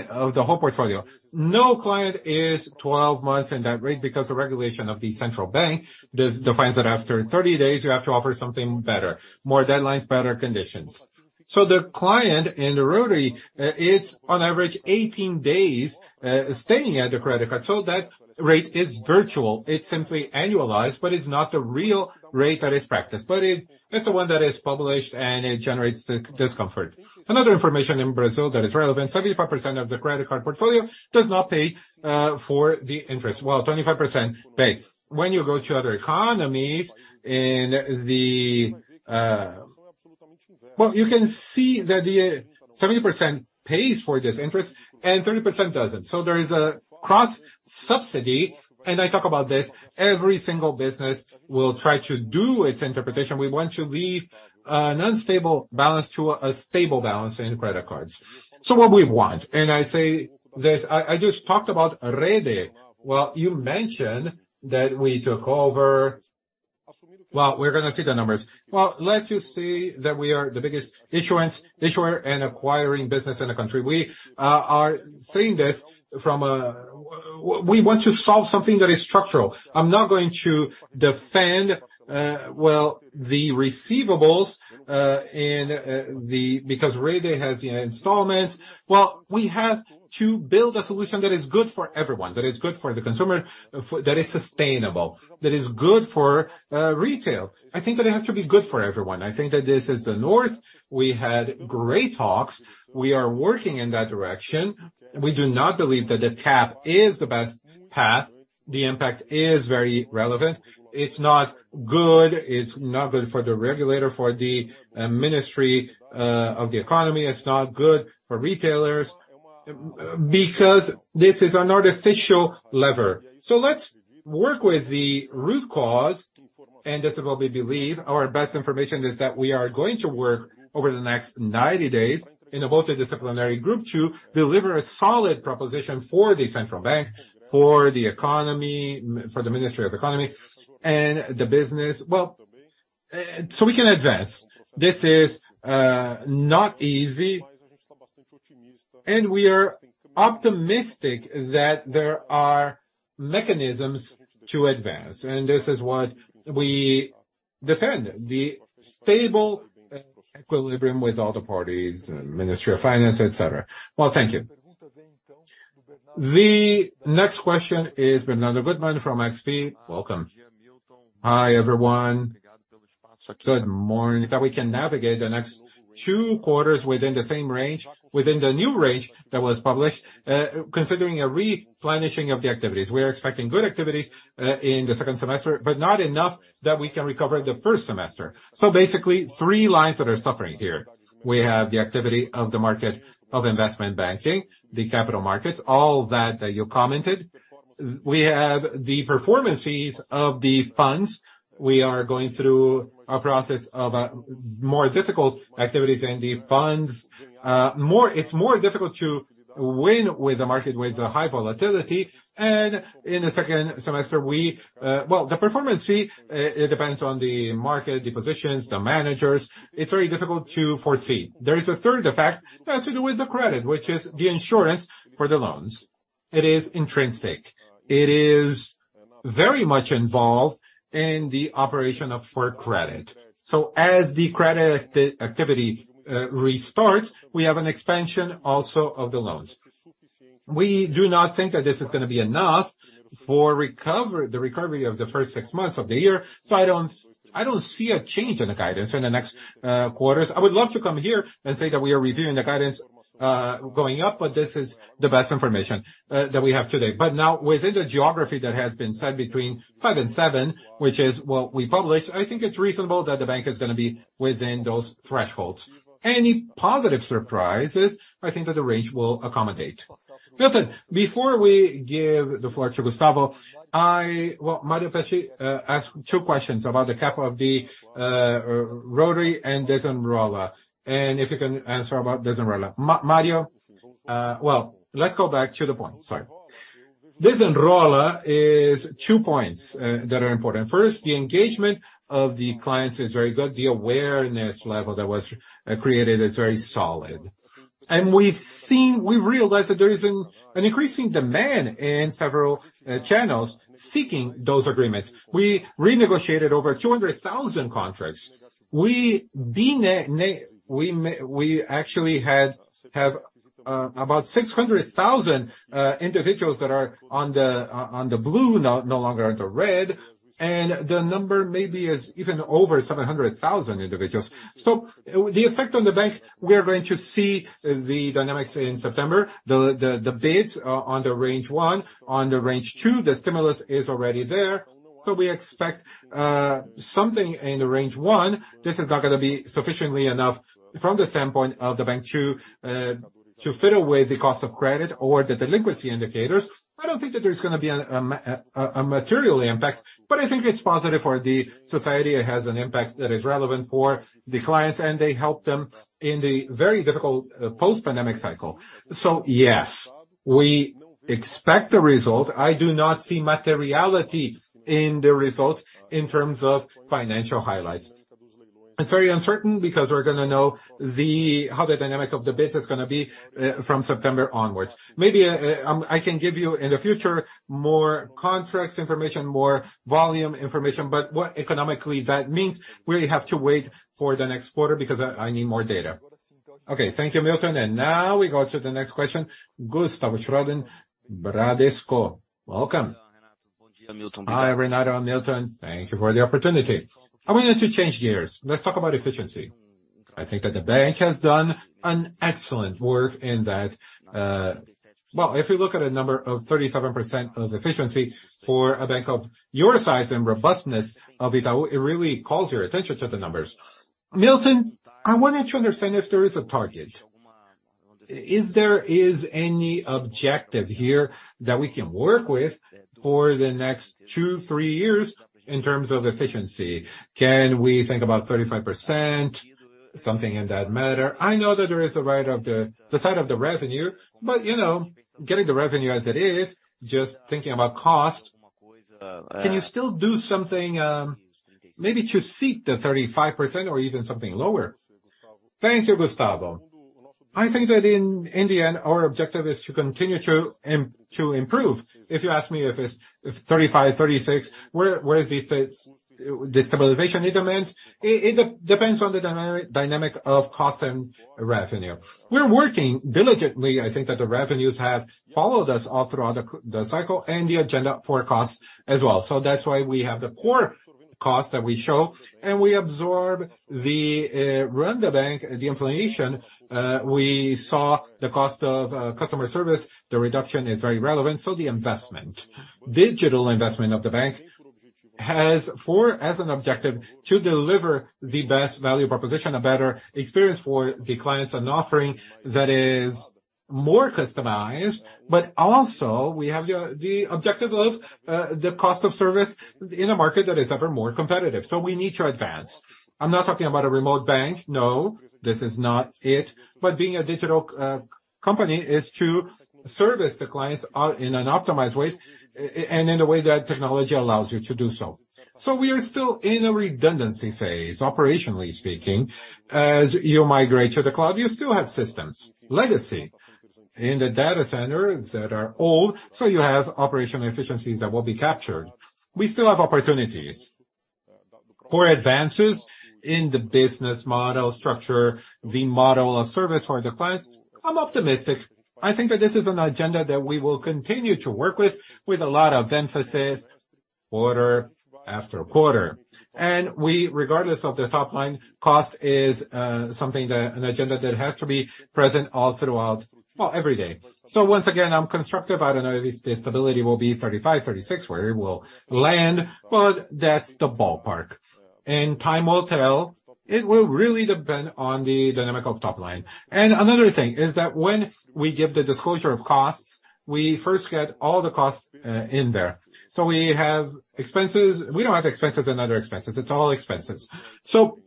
of the whole portfolio. No client is 12 months in that rate because the regulation of the Central Bank defines that after 30 days, you have to offer something better, more deadlines, better conditions. The client in the rotary, it's on average 18 days staying at the credit card. That rate is virtual. It's simply annualized, but it's not the real rate that is practiced. It's the one that is published, and it generates discomfort. Another information in Brazil that is relevant, 75% of the credit card portfolio does not pay for the interest. Well, 25% pays. When you go to other economies in the, Well, you can see that the 70% pays for this interest and 30% doesn't. There is a cross-subsidy, and I talk about this. Every single business will try to do its interpretation. We want to leave an unstable balance to a stable balance in credit cards. What we want, and I say this, I just talked about Rede. Well, you mentioned that we took over... Well, we're gonna see the numbers. Well, let you see that we are the biggest issuance, issuer, and acquiring business in the country. We are saying this from We, we want to solve something that is structural. I'm not going to defend, well, the receivables, in, because Rede has, you know, installments. Well, we have to build a solution that is good for everyone, that is good for the consumer, that is sustainable, that is good for retail. I think that it has to be good for everyone. I think that this is the North. We had great talks. We are working in that direction. We do not believe that the cap is the best path. The impact is very relevant. It's not good. It's not good for the regulator, for the Ministry of the Economy. It's not good for retailers, because this is an artificial lever. Let's work with the root cause, and this is what we believe. Our best information is that we are going to work over the next 90 days in a multidisciplinary group to deliver a solid proposition for the central bank, for the economy, for the Ministry of the Economy and the business. So we can advance. This is not easy, and we are optimistic that there are mechanisms to advance, and this is what we defend, the stable equilibrium with all the parties and Ministry of Finance, et cetera. Thank you. The next question is Renato Guttmann from XP. Welcome. Hi, everyone. Good morning. That we can navigate the next 2 quarters within the same range, within the new range that was published, considering a replenishing of the activities. We are expecting good activities in the second semester, but not enough that we can recover the first semester. Basically, 3 lines that are suffering here. We have the activity of the market, of investment banking, the capital markets, all that, you commented. We have the performances of the funds. We are going through a process of more difficult activities in the funds. It's more difficult to win with the market, with the high volatility. In the second semester, we. Well, the performance fee, it depends on the market, the positions, the managers. It's very difficult to foresee. There is a third effect that has to do with the credit, which is the insurance for the loans. It is intrinsic. It is very much involved in the operation of fair credit. As the credit activity restarts, we have an expansion also of the loans. We do not think that this is gonna be enough for the recovery of the first six months of the year, I don't, I don't see a change in the guidance in the next quarters. I would love to come here and say that we are reviewing the guidance, going up, this is the best information that we have today. Now, within the geography that has been said, between five and seven, which is what we published, I think it's reasonable that the bank is gonna be within those thresholds. Any positive surprises, I think that the range will accommodate. Milton, before we give the floor to Gustavo, I... Well, Mario Pierry asked 2 questions about the capital of the rotary and Desenrola, and if you can answer about Desenrola. Mario Pierry, well, let's go back to the point. Sorry. Desenrola is 2 points that are important. First, the engagement of the clients is very good. The awareness level that was created is very solid. We've realized that there is an increasing demand in several channels seeking those agreements. We renegotiated over 200,000 contracts. We actually had about 600,000 individuals that are on the blue, no longer on the red, and the number maybe is even over 700,000 individuals. The effect on the bank, we are going to see the dynamics in September, the bids, on the range 1. On the range 2, the stimulus is already there, so we expect something in the range 1. This is not gonna be sufficiently enough from the standpoint of the bank to fit away the cost of credit or the delinquency indicators. I don't think that there's gonna be a material impact, but I think it's positive for the society. It has an impact that is relevant for the clients, and they help them in the very difficult post-pandemic cycle. Yes, we expect a result. I do not see materiality in the results in terms of financial highlights. It's very uncertain because we're gonna know how the dynamic of the bids is gonna be from September onwards. Maybe, I can give you, in the future, more contracts information, more volume information, but what economically that means, we have to wait for the next quarter, because I, I need more data. Okay, thank you, Milton. Now we go to the next question, Gustavo Schroden, Bradesco. Welcome. Hi, Renato and Milton. Thank you for the opportunity. I want you to change gears. Let's talk about efficiency. I think that the bank has done an excellent work in that, well, if you look at a number of 37% of efficiency for a bank of your size and robustness of Itaú, it really calls your attention to the numbers. Milton, I wanted to understand if there is a target? Is there is any objective here that we can work with for the next 2, 3 years in terms of efficiency? Can we think about 35%, something in that matter? I know that there is a right of the, the side of the revenue, but, you know, getting the revenue as it is, just thinking about cost, can you still do something, maybe to seek the 35% or even something lower? Thank you, Gustavo. I think that in, in the end, our objective is to continue to improve. If you ask me if it's 35, 36, where, where is the, the stabilization it demands? It depends on the dynamic of cost and revenue. We're working diligently. I think that the revenues have followed us all throughout the cycle and the agenda for costs as well. That's why we have the core costs that we show, and we absorb the run the bank, the inflation, we saw the cost of customer service. The reduction is very relevant. The investment. Digital investment of the bank has as an objective, to deliver the best value proposition, a better experience for the clients, an offering that is more customized, but also we have the objective of the cost of service in a market that is ever more competitive. We need to advance. I'm not talking about a remote bank. No, this is not it. Being a digital company is to service the clients out in an optimized ways, and in a way that technology allows you to do so. We are still in a redundancy phase, operationally speaking. As you migrate to the cloud, you still have systems, legacy, in the data centers that are old, so you have operational efficiencies that will be captured. We still have opportunities for advances in the business model structure, the model of service for the clients. I'm optimistic. I think that this is an agenda that we will continue to work with, with a lot of emphasis, quarter after quarter. We, regardless of the top line, cost is something that, an agenda that has to be present all throughout, well, every day. Once again, I'm constructive. I don't know if the stability will be 35, 36, where it will land, but that's the ballpark. Time will tell. It will really depend on the dynamic of top line. Another thing is that when we give the disclosure of costs, we first get all the costs in there. We have expenses-- We don't have expenses and other expenses. It's all expenses.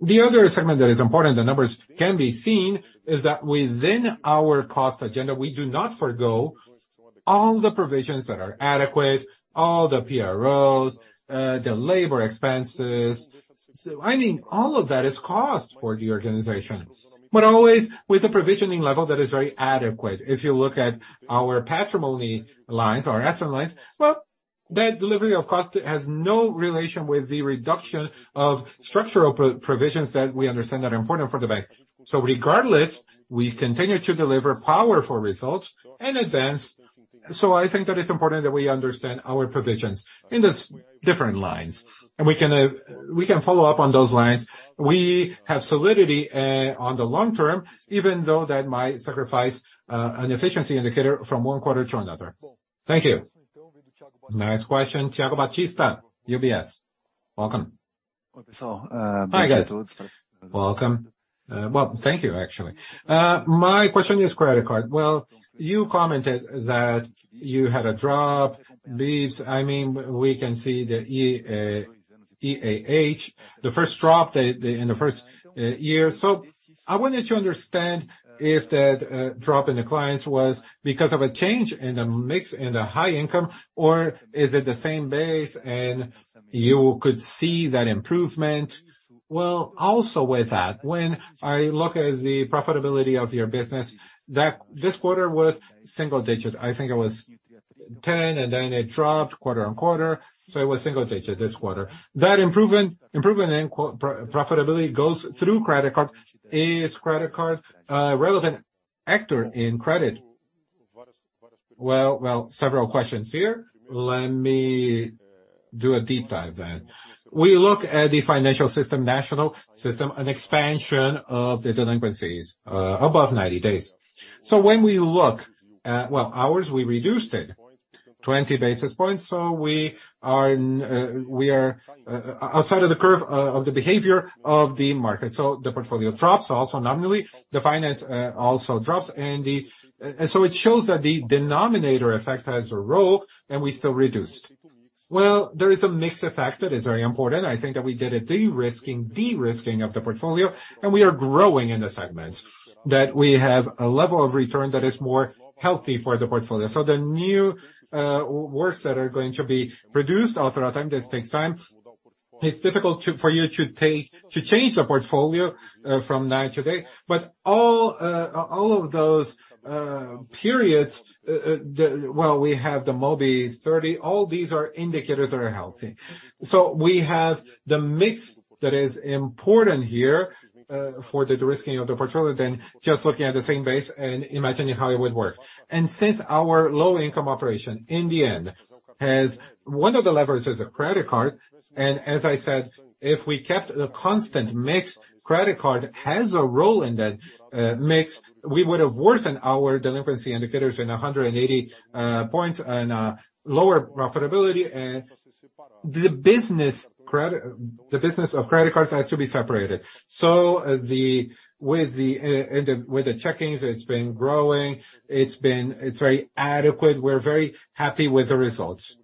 The other segment that is important, the numbers can be seen, is that within our cost agenda, we do not forgo all the provisions that are adequate, all the PROs, the labor expenses. I mean, all of that is cost for the organization, but always with a provisioning level that is very adequate. If you look at our patrimony lines, our asset lines, well, that delivery of cost has no relation with the reduction of structural provisions that we understand are important for the bank. Regardless, we continue to deliver powerful results and advance. I think that it's important that we understand our provisions in these different lines, and we can, we can follow up on those lines. We have solidity on the long term, even though that might sacrifice an efficiency indicator from one quarter to another. Thank you. Nice question. Thiago Batista, UBS. Welcome. Hi, guys. Welcome. Well, thank you, actually. My question is credit card. Well, you commented that you had a drop. These, I mean, we can see the EAH, the first drop in the first year. I wanted to understand if that drop in the clients was because of a change in the mix, in the high income, or is it the same base and you could see that improvement? Well, also with that, when I look at the profitability of your business, that this quarter was single digit, I think it was 10, and then it dropped quarter-on-quarter, so it was single digit this quarter. That improvement, improvement in profitability goes through credit card. Is credit card a relevant actor in credit? Well, well, several questions here. Let me do a deep dive then. We look at the financial system, national system, an expansion of the delinquencies above 90 days. When we look at. Well, ours, we reduced it 20 basis points. We are in, we are outside of the curve of the behavior of the market. The portfolio drops, also nominally. The finance also drops, so it shows that the denominator effect has a role, and we still reduced. Well, there is a mix effect that is very important. I think that we did a de-risking, de-risking of the portfolio, and we are growing in the segments, that we have a level of return that is more healthy for the portfolio. The new works that are going to be produced all throughout time, this takes time. It's difficult to change the portfolio from night to day, but all of those periods. Well, we have the MOB 30. All these are indicators that are healthy. We have the mix that is important here for the de-risking of the portfolio than just looking at the same base and imagining how it would work. Since our low-income operation, in the end, has one of the leverages of credit card, and as I said, if we kept the constant mix, credit card has a role in that mix, we would have worsened our delinquency indicators in 180 points and lower profitability. The business credit, the business of credit cards has to be separated. The, with the, and the, with the checkings, it's been growing, it's very adequate. We're very happy with the results.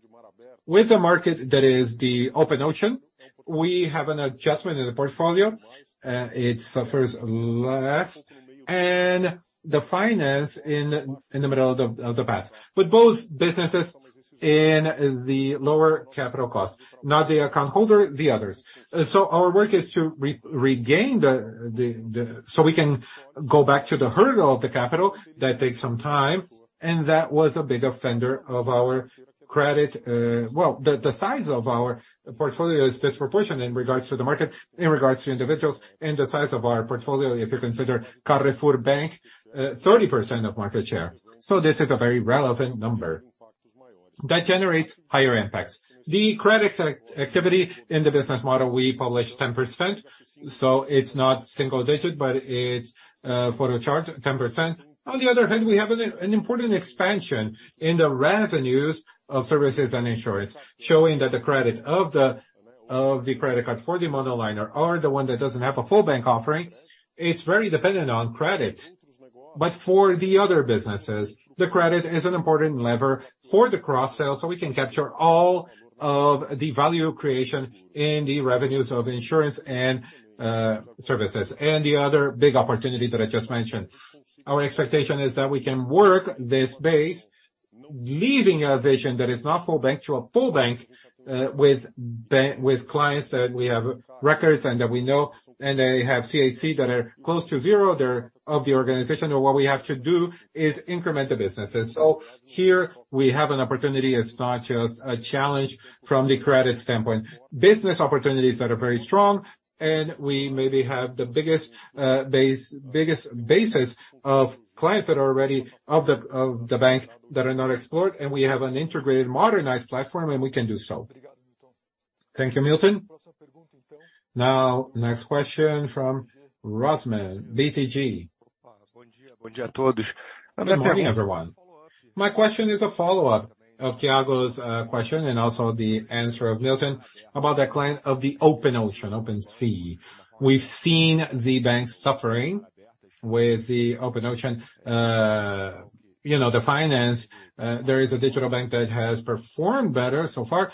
With the market, that is the open ocean, we have an adjustment in the portfolio. It suffers less, and the finance in, in the middle of the, of the path. Both businesses in the lower capital costs, not the account holder, the others. Our work is to re-regain the, the, the. We can go back to the hurdle of the capital, that takes some time, and that was a big offender of our credit. Well, the size of our portfolio is disproportionate in regards to the market, in regards to individuals, and the size of our portfolio, if you consider Carrefour Bank, 30% of market share. This is a very relevant number that generates higher impacts. The credit activity in the business model, we publish 10%, so it's not single digit, but it's for the chart, 10%. On the other hand, we have an important expansion in the revenues of services and insurance, showing that the credit of the credit card for the monoliner are the one that doesn't have a full bank offering. It's very dependent on credit. For the other businesses, the credit is an important lever for the cross-sale, so we can capture all of the value creation in the revenues of insurance and services, and the other big opportunity that I just mentioned. Our expectation is that we can work this base, leaving a vision that is not full bank to a full bank, with clients, that we have records and that we know, and they have CIC that are close to zero, they're of the organization, and what we have to do is increment the businesses. Here we have an opportunity. It's not just a challenge from the credit standpoint. Business opportunities that are very strong, we maybe have the biggest base, biggest basis of clients that are already of the bank, that are not explored, we have an integrated, modernized platform, we can do so. Thank you, Milton. Next question from Rosman, BTG. Good morning, everyone. My question is a follow-up of Thiago's question, also the answer of Milton, about the client of the open ocean, open sea. We've seen the bank suffering with the open ocean. You know, the finance, there is a digital bank that has performed better so far.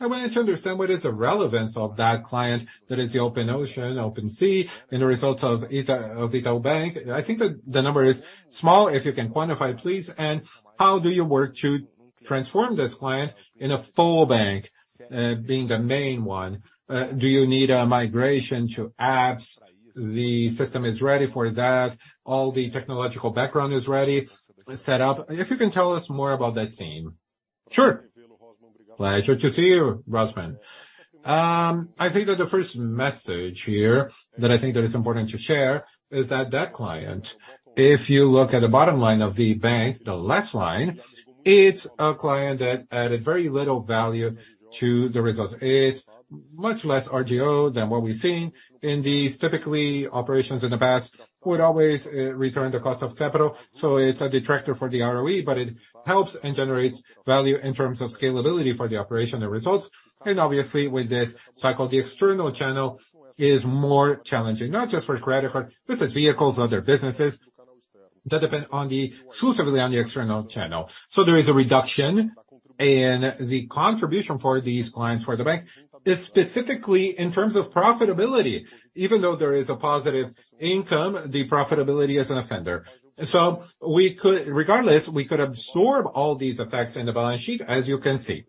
I wanted to understand what is the relevance of that client, that is the open ocean, open sea, in the results of Itaú Unibanco. I think that the number is small, if you can quantify, please, and how do you work to transform this client in a full bank, being the main one? Do you need a migration to apps? The system is ready for that. All the technological background is ready, set up. If you can tell us more about that theme. Sure. Pleasure to see you, Rosman. I think that the first message here, that I think that is important to share, is that, that client, if you look at the bottom line of the bank, the last line, it's a client that added very little value to the results. It's much less RGO than what we've seen in these. Typically, operations in the past would always return the cost of capital. It's a detractor for the ROE, but it helps and generates value in terms of scalability for the operation, the results. Obviously with this cycle, the external channel is more challenging, not just for credit card, this is vehicles, other businesses, that depend on the, exclusively on the external channel. There is a reduction, and the contribution for these clients, for the bank, is specifically in terms of profitability. Even though there is a positive income, the profitability is an offender. We could regardless, we could absorb all these effects in the balance sheet, as you can see.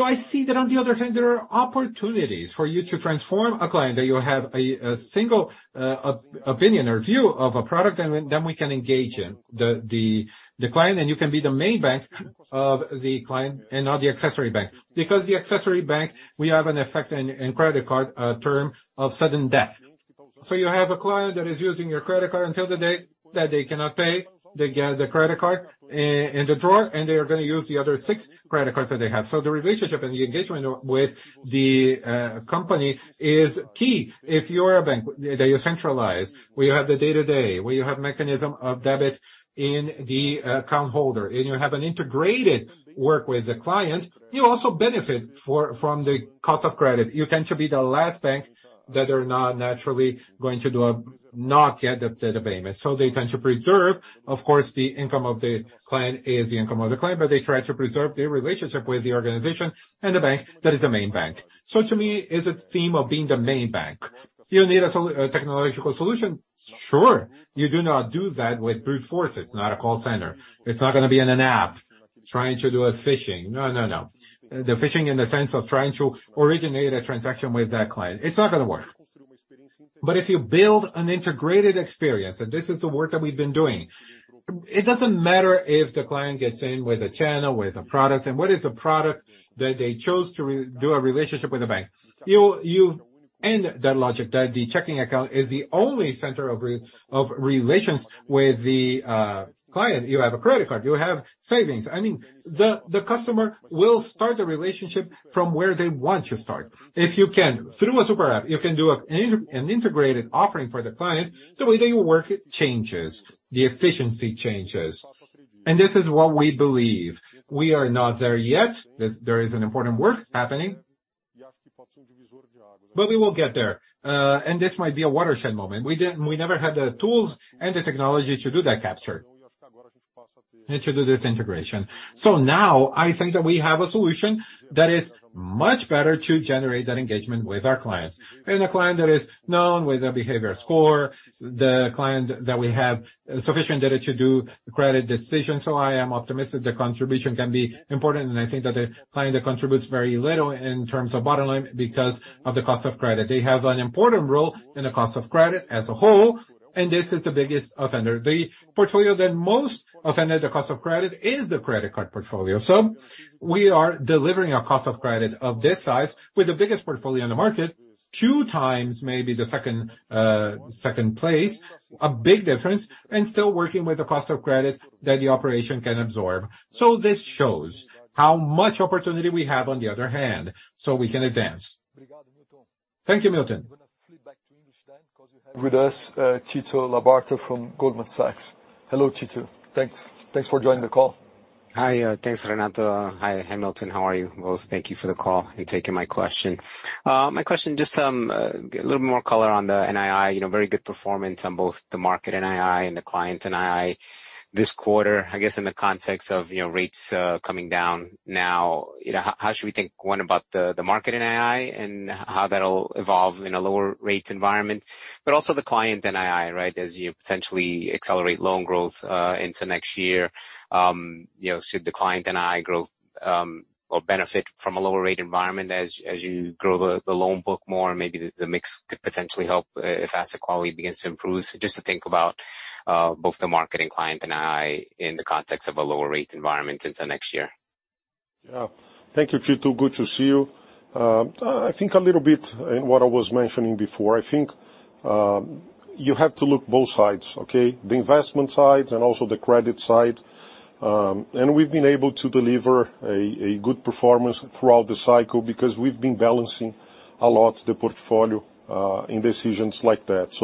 I see that on the other hand, there are opportunities for you to transform a client, that you have a, a single, op-opinion or view of a product, and then, then we can engage in the, the, the client, and you can be the main bank of the client and not the accessory bank. Because the accessory bank, we have an effect in, in credit card, term of sudden death. You have a client that is using your credit card until the day that they cannot pay. They get the credit card in, in the drawer, and they are gonna use the other 6 credit cards that they have. The relationship and the engagement with the company is key. If you are a bank, that you centralize, where you have the day-to-day, where you have mechanism of debit in the account holder, and you have an integrated work with the client, you also benefit from the cost of credit. You tend to be the last bank that are not naturally going to do a knock at the, the payment. They tend to preserve, of course, the income of the client is the income of the client, but they try to preserve their relationship with the organization and the bank, that is the main bank. To me, it's a theme of being the main bank. You need a technological solution? Sure. You do not do that with brute force. It's not a call center. It's not gonna be in an app, trying to do a phishing. No, no, no. The phishing in the sense of trying to originate a transaction with that client, it's not gonna work. If you build an integrated experience, and this is the work that we've been doing, it doesn't matter if the client gets in with a channel, with a product, and what is the product that they chose to re-do a relationship with the bank. You, you end that logic that the checking account is the only center of relations with the client. You have a credit card, you have savings. I mean, the, the customer will start the relationship from where they want to start. If you can, through a super app, you can do an integrated offering for the client, the way that you work changes, the efficiency changes, and this is what we believe. We are not there yet. There is an important work happening. We will get there, and this might be a watershed moment. We didn't, we never had the tools and the technology to do that capture, and to do this integration. Now, I think that we have a solution that is much better to generate that engagement with our clients. A client that is known with a behavior score, the client that we have sufficient data to do credit decisions, so I am optimistic the contribution can be important. I think that the client contributes very little in terms of bottom line, because of the cost of credit. They have an important role in the cost of credit as a whole, and this is the biggest offender. The portfolio that most offended the cost of credit is the credit card portfolio. We are delivering a cost of credit of this size with the biggest portfolio in the market, 2 times maybe the second, second place, a big difference, and still working with the cost of credit that the operation can absorb. This shows how much opportunity we have on the other hand, so we can advance. Thank you, Milton. With us, Tito Labarta from Goldman Sachs. Hello, Tito. Thanks, thanks for joining the call. Hi, thanks, Renato. Hi, Milton, how are you both? Thank you for the call and taking my question. My question just a little more color on the NII. You know, very good performance on both the market NII and the client NII. This quarter, I guess, in the context of, you know, rates coming down now, you know, how should we think, 1, about the market NII and how that'll evolve in a lower rate environment? Also the client NII, right, as you potentially accelerate loan growth into next year, you know, should the client NII growth or benefit from a lower rate environment as you grow the loan book more, maybe the mix could potentially help if asset quality begins to improve. Just to think about both the market and client NII in the context of a lower rate environment into next year. Yeah. Thank you, Tito. Good to see you. I think a little bit in what I was mentioning before, I think, you have to look both sides, okay? The investment side and also the credit side. We've been able to deliver a good performance throughout the cycle because we've been balancing a lot, the portfolio, in decisions like that.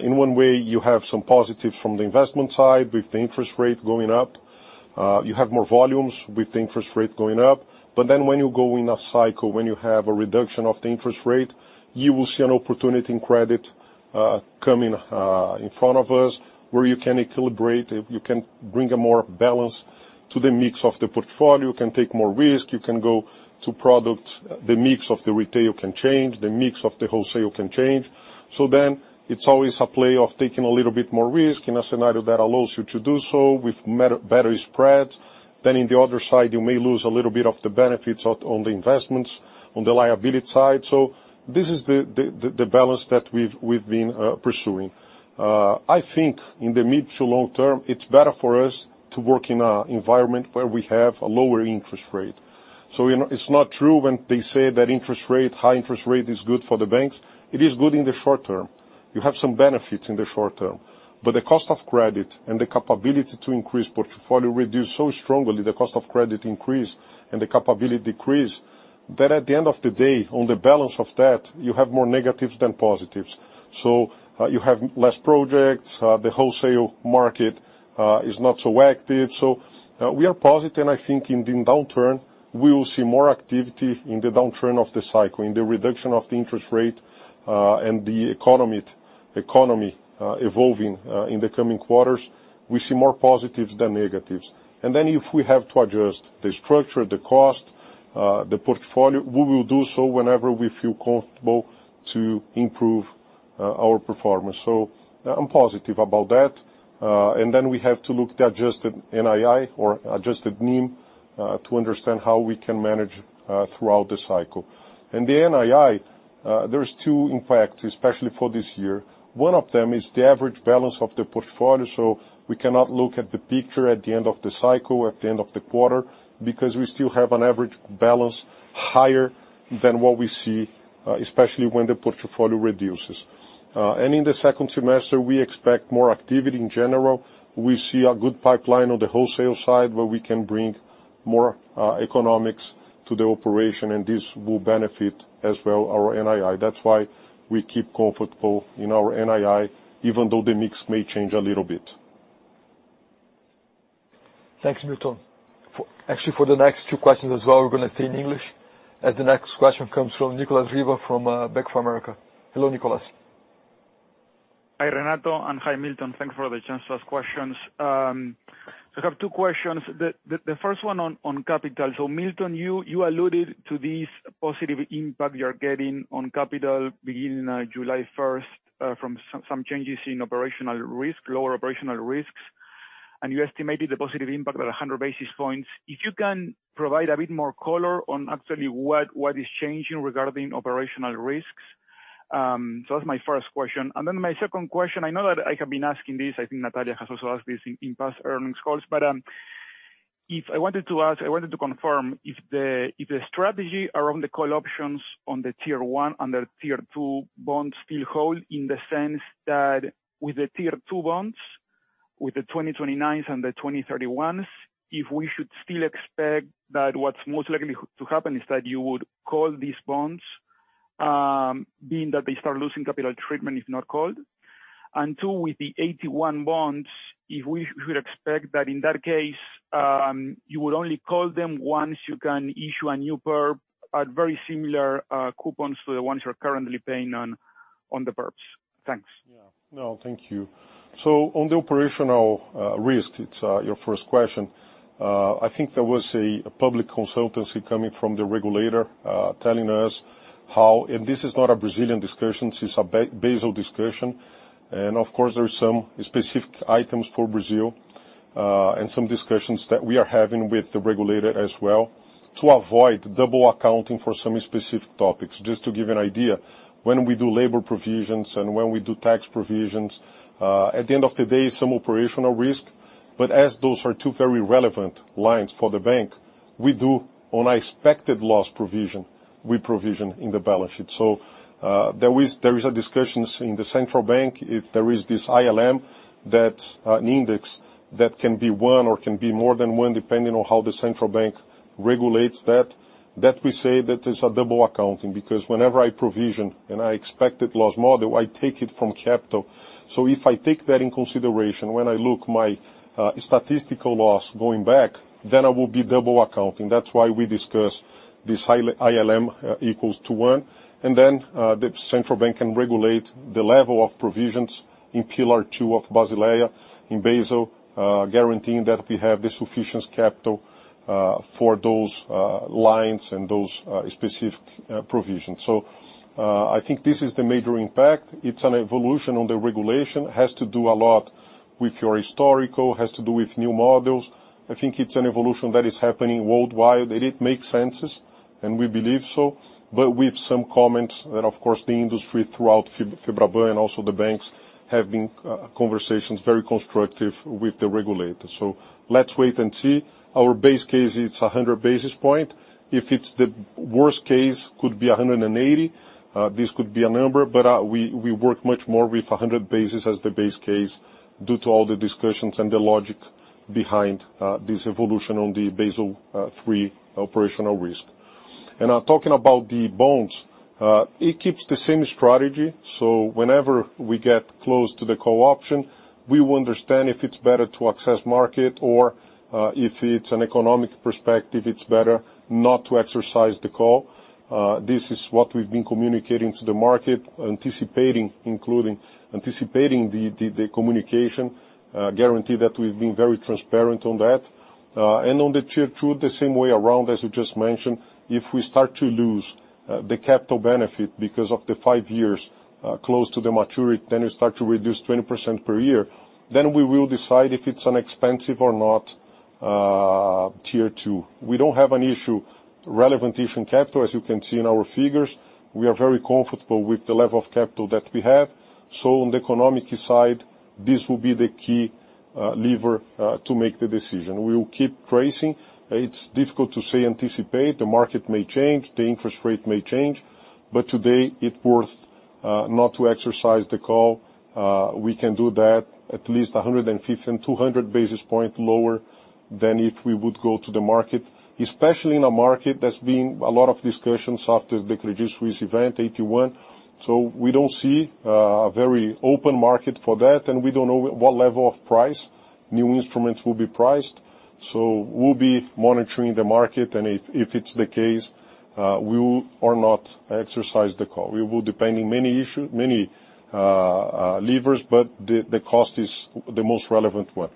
In one way, you have some positives from the investment side with the interest rate going up. You have more volumes with the interest rate going up. When you go in a cycle, when you have a reduction of the interest rate, you will see an opportunity in credit coming in front of us, where you can calibrate, you can bring a more balance to the mix of the portfolio, you can take more risk, you can go to product. The mix of the retail can change, the mix of the wholesale can change. It's always a play of taking a little bit more risk in a scenario that allows you to do so with met, better spreads. In the other side, you may lose a little bit of the benefits on, on the investments, on the liability side. This is the, the, the, the balance that we've, we've been pursuing. I think in the mid to long term, it's better for us to work in a environment where we have a lower interest rate. It's not true when they say that interest rate, high interest rate is good for the banks. It is good in the short term. You have some benefits in the short term, but the cost of credit and the capability to increase portfolio reduce so strongly, the cost of credit increase and the capability decrease, that at the end of the day, on the balance of that, you have more negatives than positives. You have less projects, the wholesale market, is not so active. We are positive, and I think in the downturn, we will see more activity in the downturn of the cycle, in the reduction of the interest rate, and the economy evolving in the coming quarters. We see more positives than negatives. If we have to adjust the structure, the cost, the portfolio, we will do so whenever we feel comfortable to improve our performance. I'm positive about that. We have to look at the adjusted NII or adjusted NIM to understand how we can manage throughout the cycle. The NII, there's two, in fact, especially for this year. One of them is the average balance of the portfolio. We cannot look at the picture at the end of the cycle, at the end of the quarter, because we still have an average balance higher than what we see, especially when the portfolio reduces. In the second semester, we expect more activity in general. We see a good pipeline on the wholesale side, where we can bring more economics to the operation, and this will benefit as well, our NII. That's why we keep comfortable in our NII, even though the mix may change a little bit. Thanks, Milton. Actually, for the next two questions as well, we're going to stay in English, as the next question comes from Nicolas Riva from Bank of America. Hello, Nicholas. Hi, Renato, and hi, Milton. Thanks for the chance to ask questions. I have two questions. The first one on capital. Milton, you alluded to this positive impact you're getting on capital beginning July first from some changes in operational risk, lower operational risks, and you estimated the positive impact about 100 basis points. If you can provide a bit more color on actually what is changing regarding operational risks? That's my first question. My second question, I know that I have been asking this, I think Natalia has also asked this in past earnings calls. If I wanted to ask, I wanted to confirm if the, if the strategy around the call options on the Tier 1 and the Tier 2 bonds still hold, in the sense that with the Tier 2 bonds, with the 2029s and the 2031s, if we should still expect that what's most likely to happen is that you would call these bonds, being that they start losing capital treatment, if not called?... and 2, with the 81 bonds, if we should expect that in that case, you would only call them once you can issue a new perp at very similar, coupons to the ones you are currently paying on, on the perps? Thanks. Yeah. No, thank you. On the operational risk, it's your first question. I think there was a public consultancy coming from the regulator, telling us how, and this is not a Brazilian discussion, this is a Basel discussion, and of course, there are some specific items for Brazil, and some discussions that we are having with the regulator as well, to avoid double accounting for some specific topics. Just to give you an idea, when we do labor provisions and when we do tax provisions, at the end of the day, some operational risk. As those are two very relevant lines for the bank, we do on expected loss provision, we provision in the balance sheet. There is, there is a discussions in the Central Bank, if there is this ILM, that an index that can be 1 or can be more than 1, depending on how the Central Bank regulates that, that we say that is a double accounting. Whenever I provision, in our expected loss model, I take it from capital. If I take that in consideration, when I look my statistical loss going back, then I will be double accounting. That's why we discuss this ILM equals to 1, and then the Central Bank can regulate the level of provisions in Pillar 2 of Basileia, in Basel, guaranteeing that we have the sufficient capital for those lines and those specific provisions. I think this is the major impact. It's an evolution on the regulation. It has to do a lot with your historical, has to do with new models. I think it's an evolution that is happening worldwide, and it makes senses, and we believe so. With some comments, and of course, the industry throughout FEBRABAN and also the banks, have been conversations, very constructive with the regulator. Let's wait and see. Our base case, it's 100 basis point. If it's the worst case, could be 180. This could be a number, but we, we work much more with 100 basis as the base case, due to all the discussions and the logic behind this evolution on the Basel III operational risk. Talking about the bonds, it keeps the same strategy. Whenever we get close to the call option, we will understand if it's better to access market or if it's an economic perspective, it's better not to exercise the call. This is what we've been communicating to the market, anticipating, including anticipating the communication, guarantee that we've been very transparent on that. On the Tier 2, the same way around, as you just mentioned, if we start to lose the capital benefit because of the 5 years, close to the maturity, then you start to reduce 20% per year, then we will decide if it's inexpensive or not, Tier 2. We don't have an issue, relevant issue in capital. As you can see in our figures, we are very comfortable with the level of capital that we have. On the economic side, this will be the key lever to make the decision. We will keep tracing. It's difficult to say, anticipate. The market may change, the interest rate may change, but today it worth not to exercise the call. We can do that at least 150 and 200 basis points lower than if we would go to the market. Especially in a market that's been a lot of discussions after the Credit Suisse event, 81. We don't see a very open market for that, and we don't know what level of price new instruments will be priced. We'll be monitoring the market, and if, if it's the case, we will or not exercise the call. We will, depending many issue, many levers, but the, the cost is the most relevant one.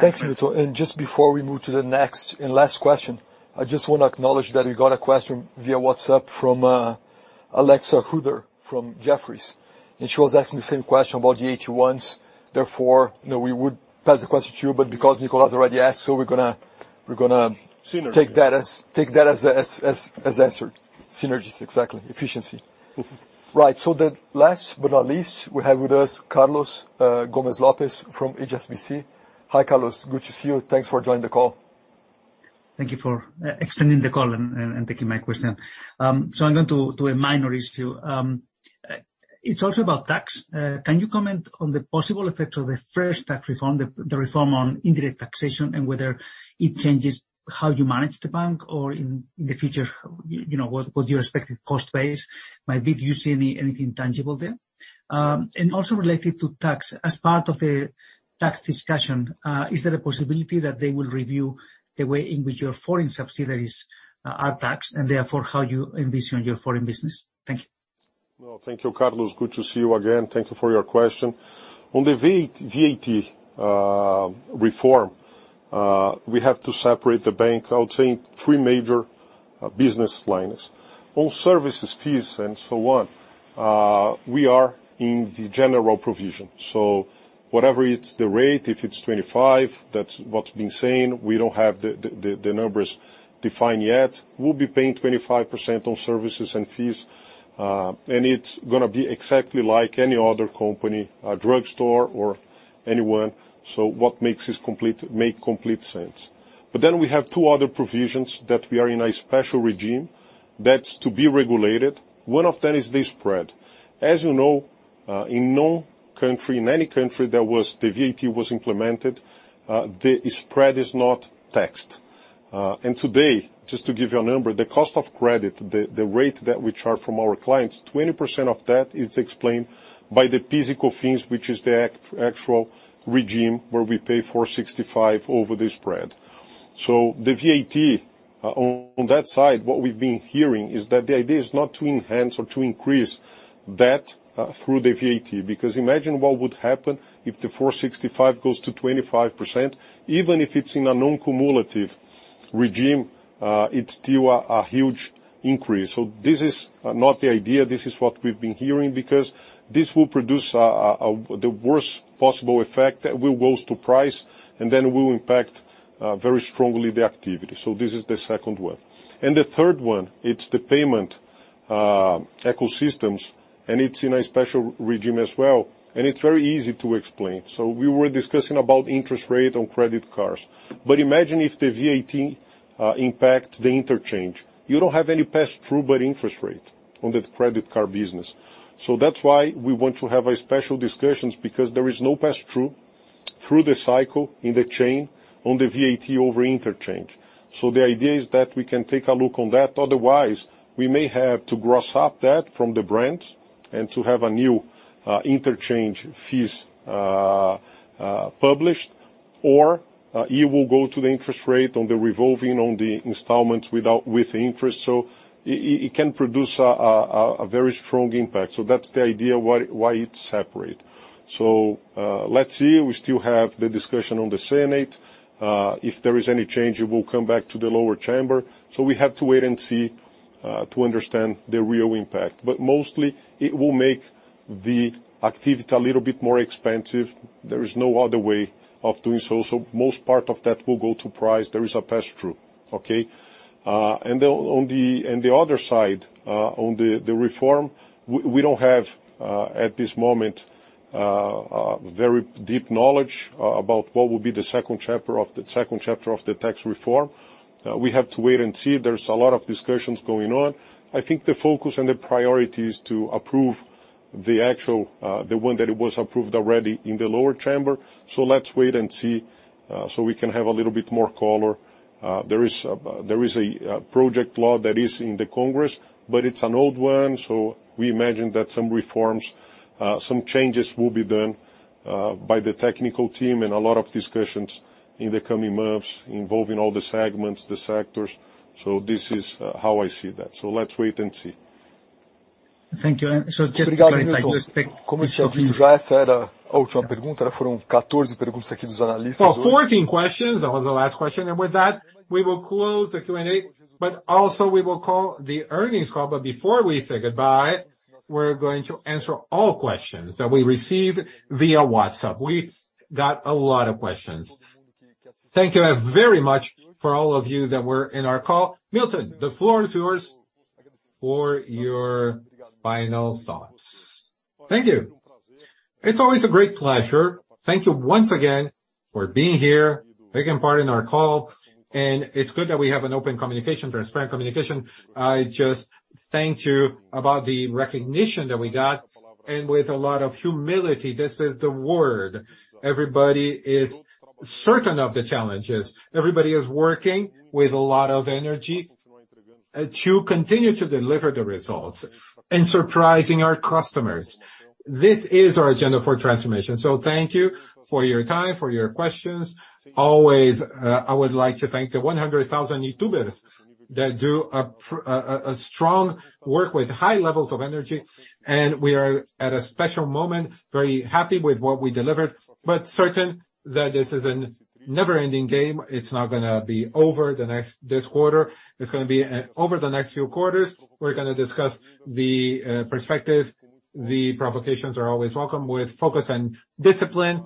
Thanks, Nito. Just before we move to the next and last question, I just want to acknowledge that we got a question via WhatsApp from Alix B. Pustilnik from Jefferies, and she was asking the same question about the 81s. You know, we would pass the question to you, but because Nicolas has already asked, so we're gonna, we're gonna... Synergy. take that as answered. Synergies, exactly. Efficiency. Right. The last but not least, we have with us Carlos Gomez-Lopez from HSBC. Hi, Carlos, good to see you. Thanks for joining the call. Thank you for extending the call and, and taking my question. I'm going to do a minor issue. It's also about tax. Can you comment on the possible effects of the first tax reform, the, the reform on indirect taxation, and whether it changes how you manage the bank or in, in the future, you know, what, what your expected cost base might be? Do you see anything tangible there? Also related to tax, as part of the tax discussion, is there a possibility that they will review the way in which your foreign subsidiaries are taxed, and therefore, how you envision your foreign business? Thank you. Well, thank you, Carlos. Good to see you again. Thank you for your question. On the VAT, VAT reform, we have to separate the bank, I would say, three major business lines. On services, fees, and so on, we are in the general provision, so whatever it's the rate, if it's 25, that's what's being said, we don't have the numbers defined yet. We'll be paying 25% on services and fees, and it's gonna be exactly like any other company, a drugstore or anyone. What makes this complete- make complete sense. Then we have two other provisions that we are in a special regime that's to be regulated. One of them is the spread. As you know, in no country, in any country, the VAT was implemented, the spread is not taxed. Today, just to give you a number, the cost of credit, the rate that we charge from our clients, 20% of that is explained by the physical fees, which is the actual regime, where we pay 4.65 over the spread. The VAT on that side, what we've been hearing is that the idea is not to enhance or to increase that through the VAT, because imagine what would happen if the 4.65 goes to 25%, even if it's in a non-cumulative regime, it's still a huge increase. This is not the idea, this is what we've been hearing, because this will produce the worst possible effect that will goes to price, and then will impact very strongly the activity. This is the second one. The third one, it's the payment ecosystems, and it's in a special regime as well, and it's very easy to explain. We were discussing about interest rate on credit cards, but imagine if the VAT impacts the interchange. You don't have any pass-through but interest rate on the credit card business. That's why we want to have a special discussions, because there is no pass-through, through the cycle, in the chain, on the VAT over interchange. The idea is that we can take a look on that. Otherwise, we may have to gross up that from the brand and to have a new interchange fees published, or it will go to the interest rate on the revolving, on the installments, with interest. It can produce a very strong impact. That's the idea why, why it's separate. Let's see, we still have the discussion on the Senate. If there is any change, it will come back to the lower chamber, so we have to wait and see to understand the real impact. Mostly, it will make the activity a little bit more expensive. There is no other way of doing so, so most part of that will go to price. There is a pass-through. Okay? Then on the-- and the other side, on the, the reform, we, we don't have at this moment a very deep knowledge about what will be the second chapter of the-- second chapter of the tax reform. We have to wait and see. There's a lot of discussions going on. I think the focus and the priority is to approve the actual, the one that it was approved already in the lower chamber. Let's wait and see. We can have a little bit more color. There is a, there is a, a project law that is in the Congress, but it's an old one, so we imagine that some reforms, some changes will be done by the technical team, and a lot of discussions in the coming months involving all the segments, the sectors. This is how I see that. Let's wait and see. Thank you. Fourteen questions, that was the last question, and with that, we will close the Q&A, but also we will call the earnings call. Before we say goodbye, we're going to answer all questions that we received via WhatsApp. We got a lot of questions. Thank you very much for all of you that were in our call. Milton, the floor is yours for your final thoughts. Thank you. It's always a great pleasure. Thank you once again for being here, taking part in our call. It's good that we have an open communication, transparent communication. I just thank you about the recognition that we got. With a lot of humility, this is the word. Everybody is certain of the challenges, everybody is working with a lot of energy to continue to deliver the results and surprising our customers. This is our agenda for transformation. Thank you for your time, for your questions. Always, I would like to thank the 100,000 Itaubers that do a strong work with high levels of energy. We are at a special moment, very happy with what we delivered. Certain that this is a never-ending game. It's not gonna be over the next-- this quarter. It's gonna be an... Over the next few quarters, we're gonna discuss the perspective. The provocations are always welcome with focus and discipline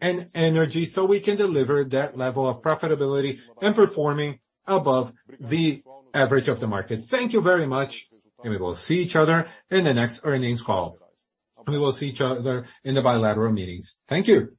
and energy, so we can deliver that level of profitability and performing above the average of the market. Thank you very much. We will see each other in the next earnings call. We will see each other in the bilateral meetings. Thank you.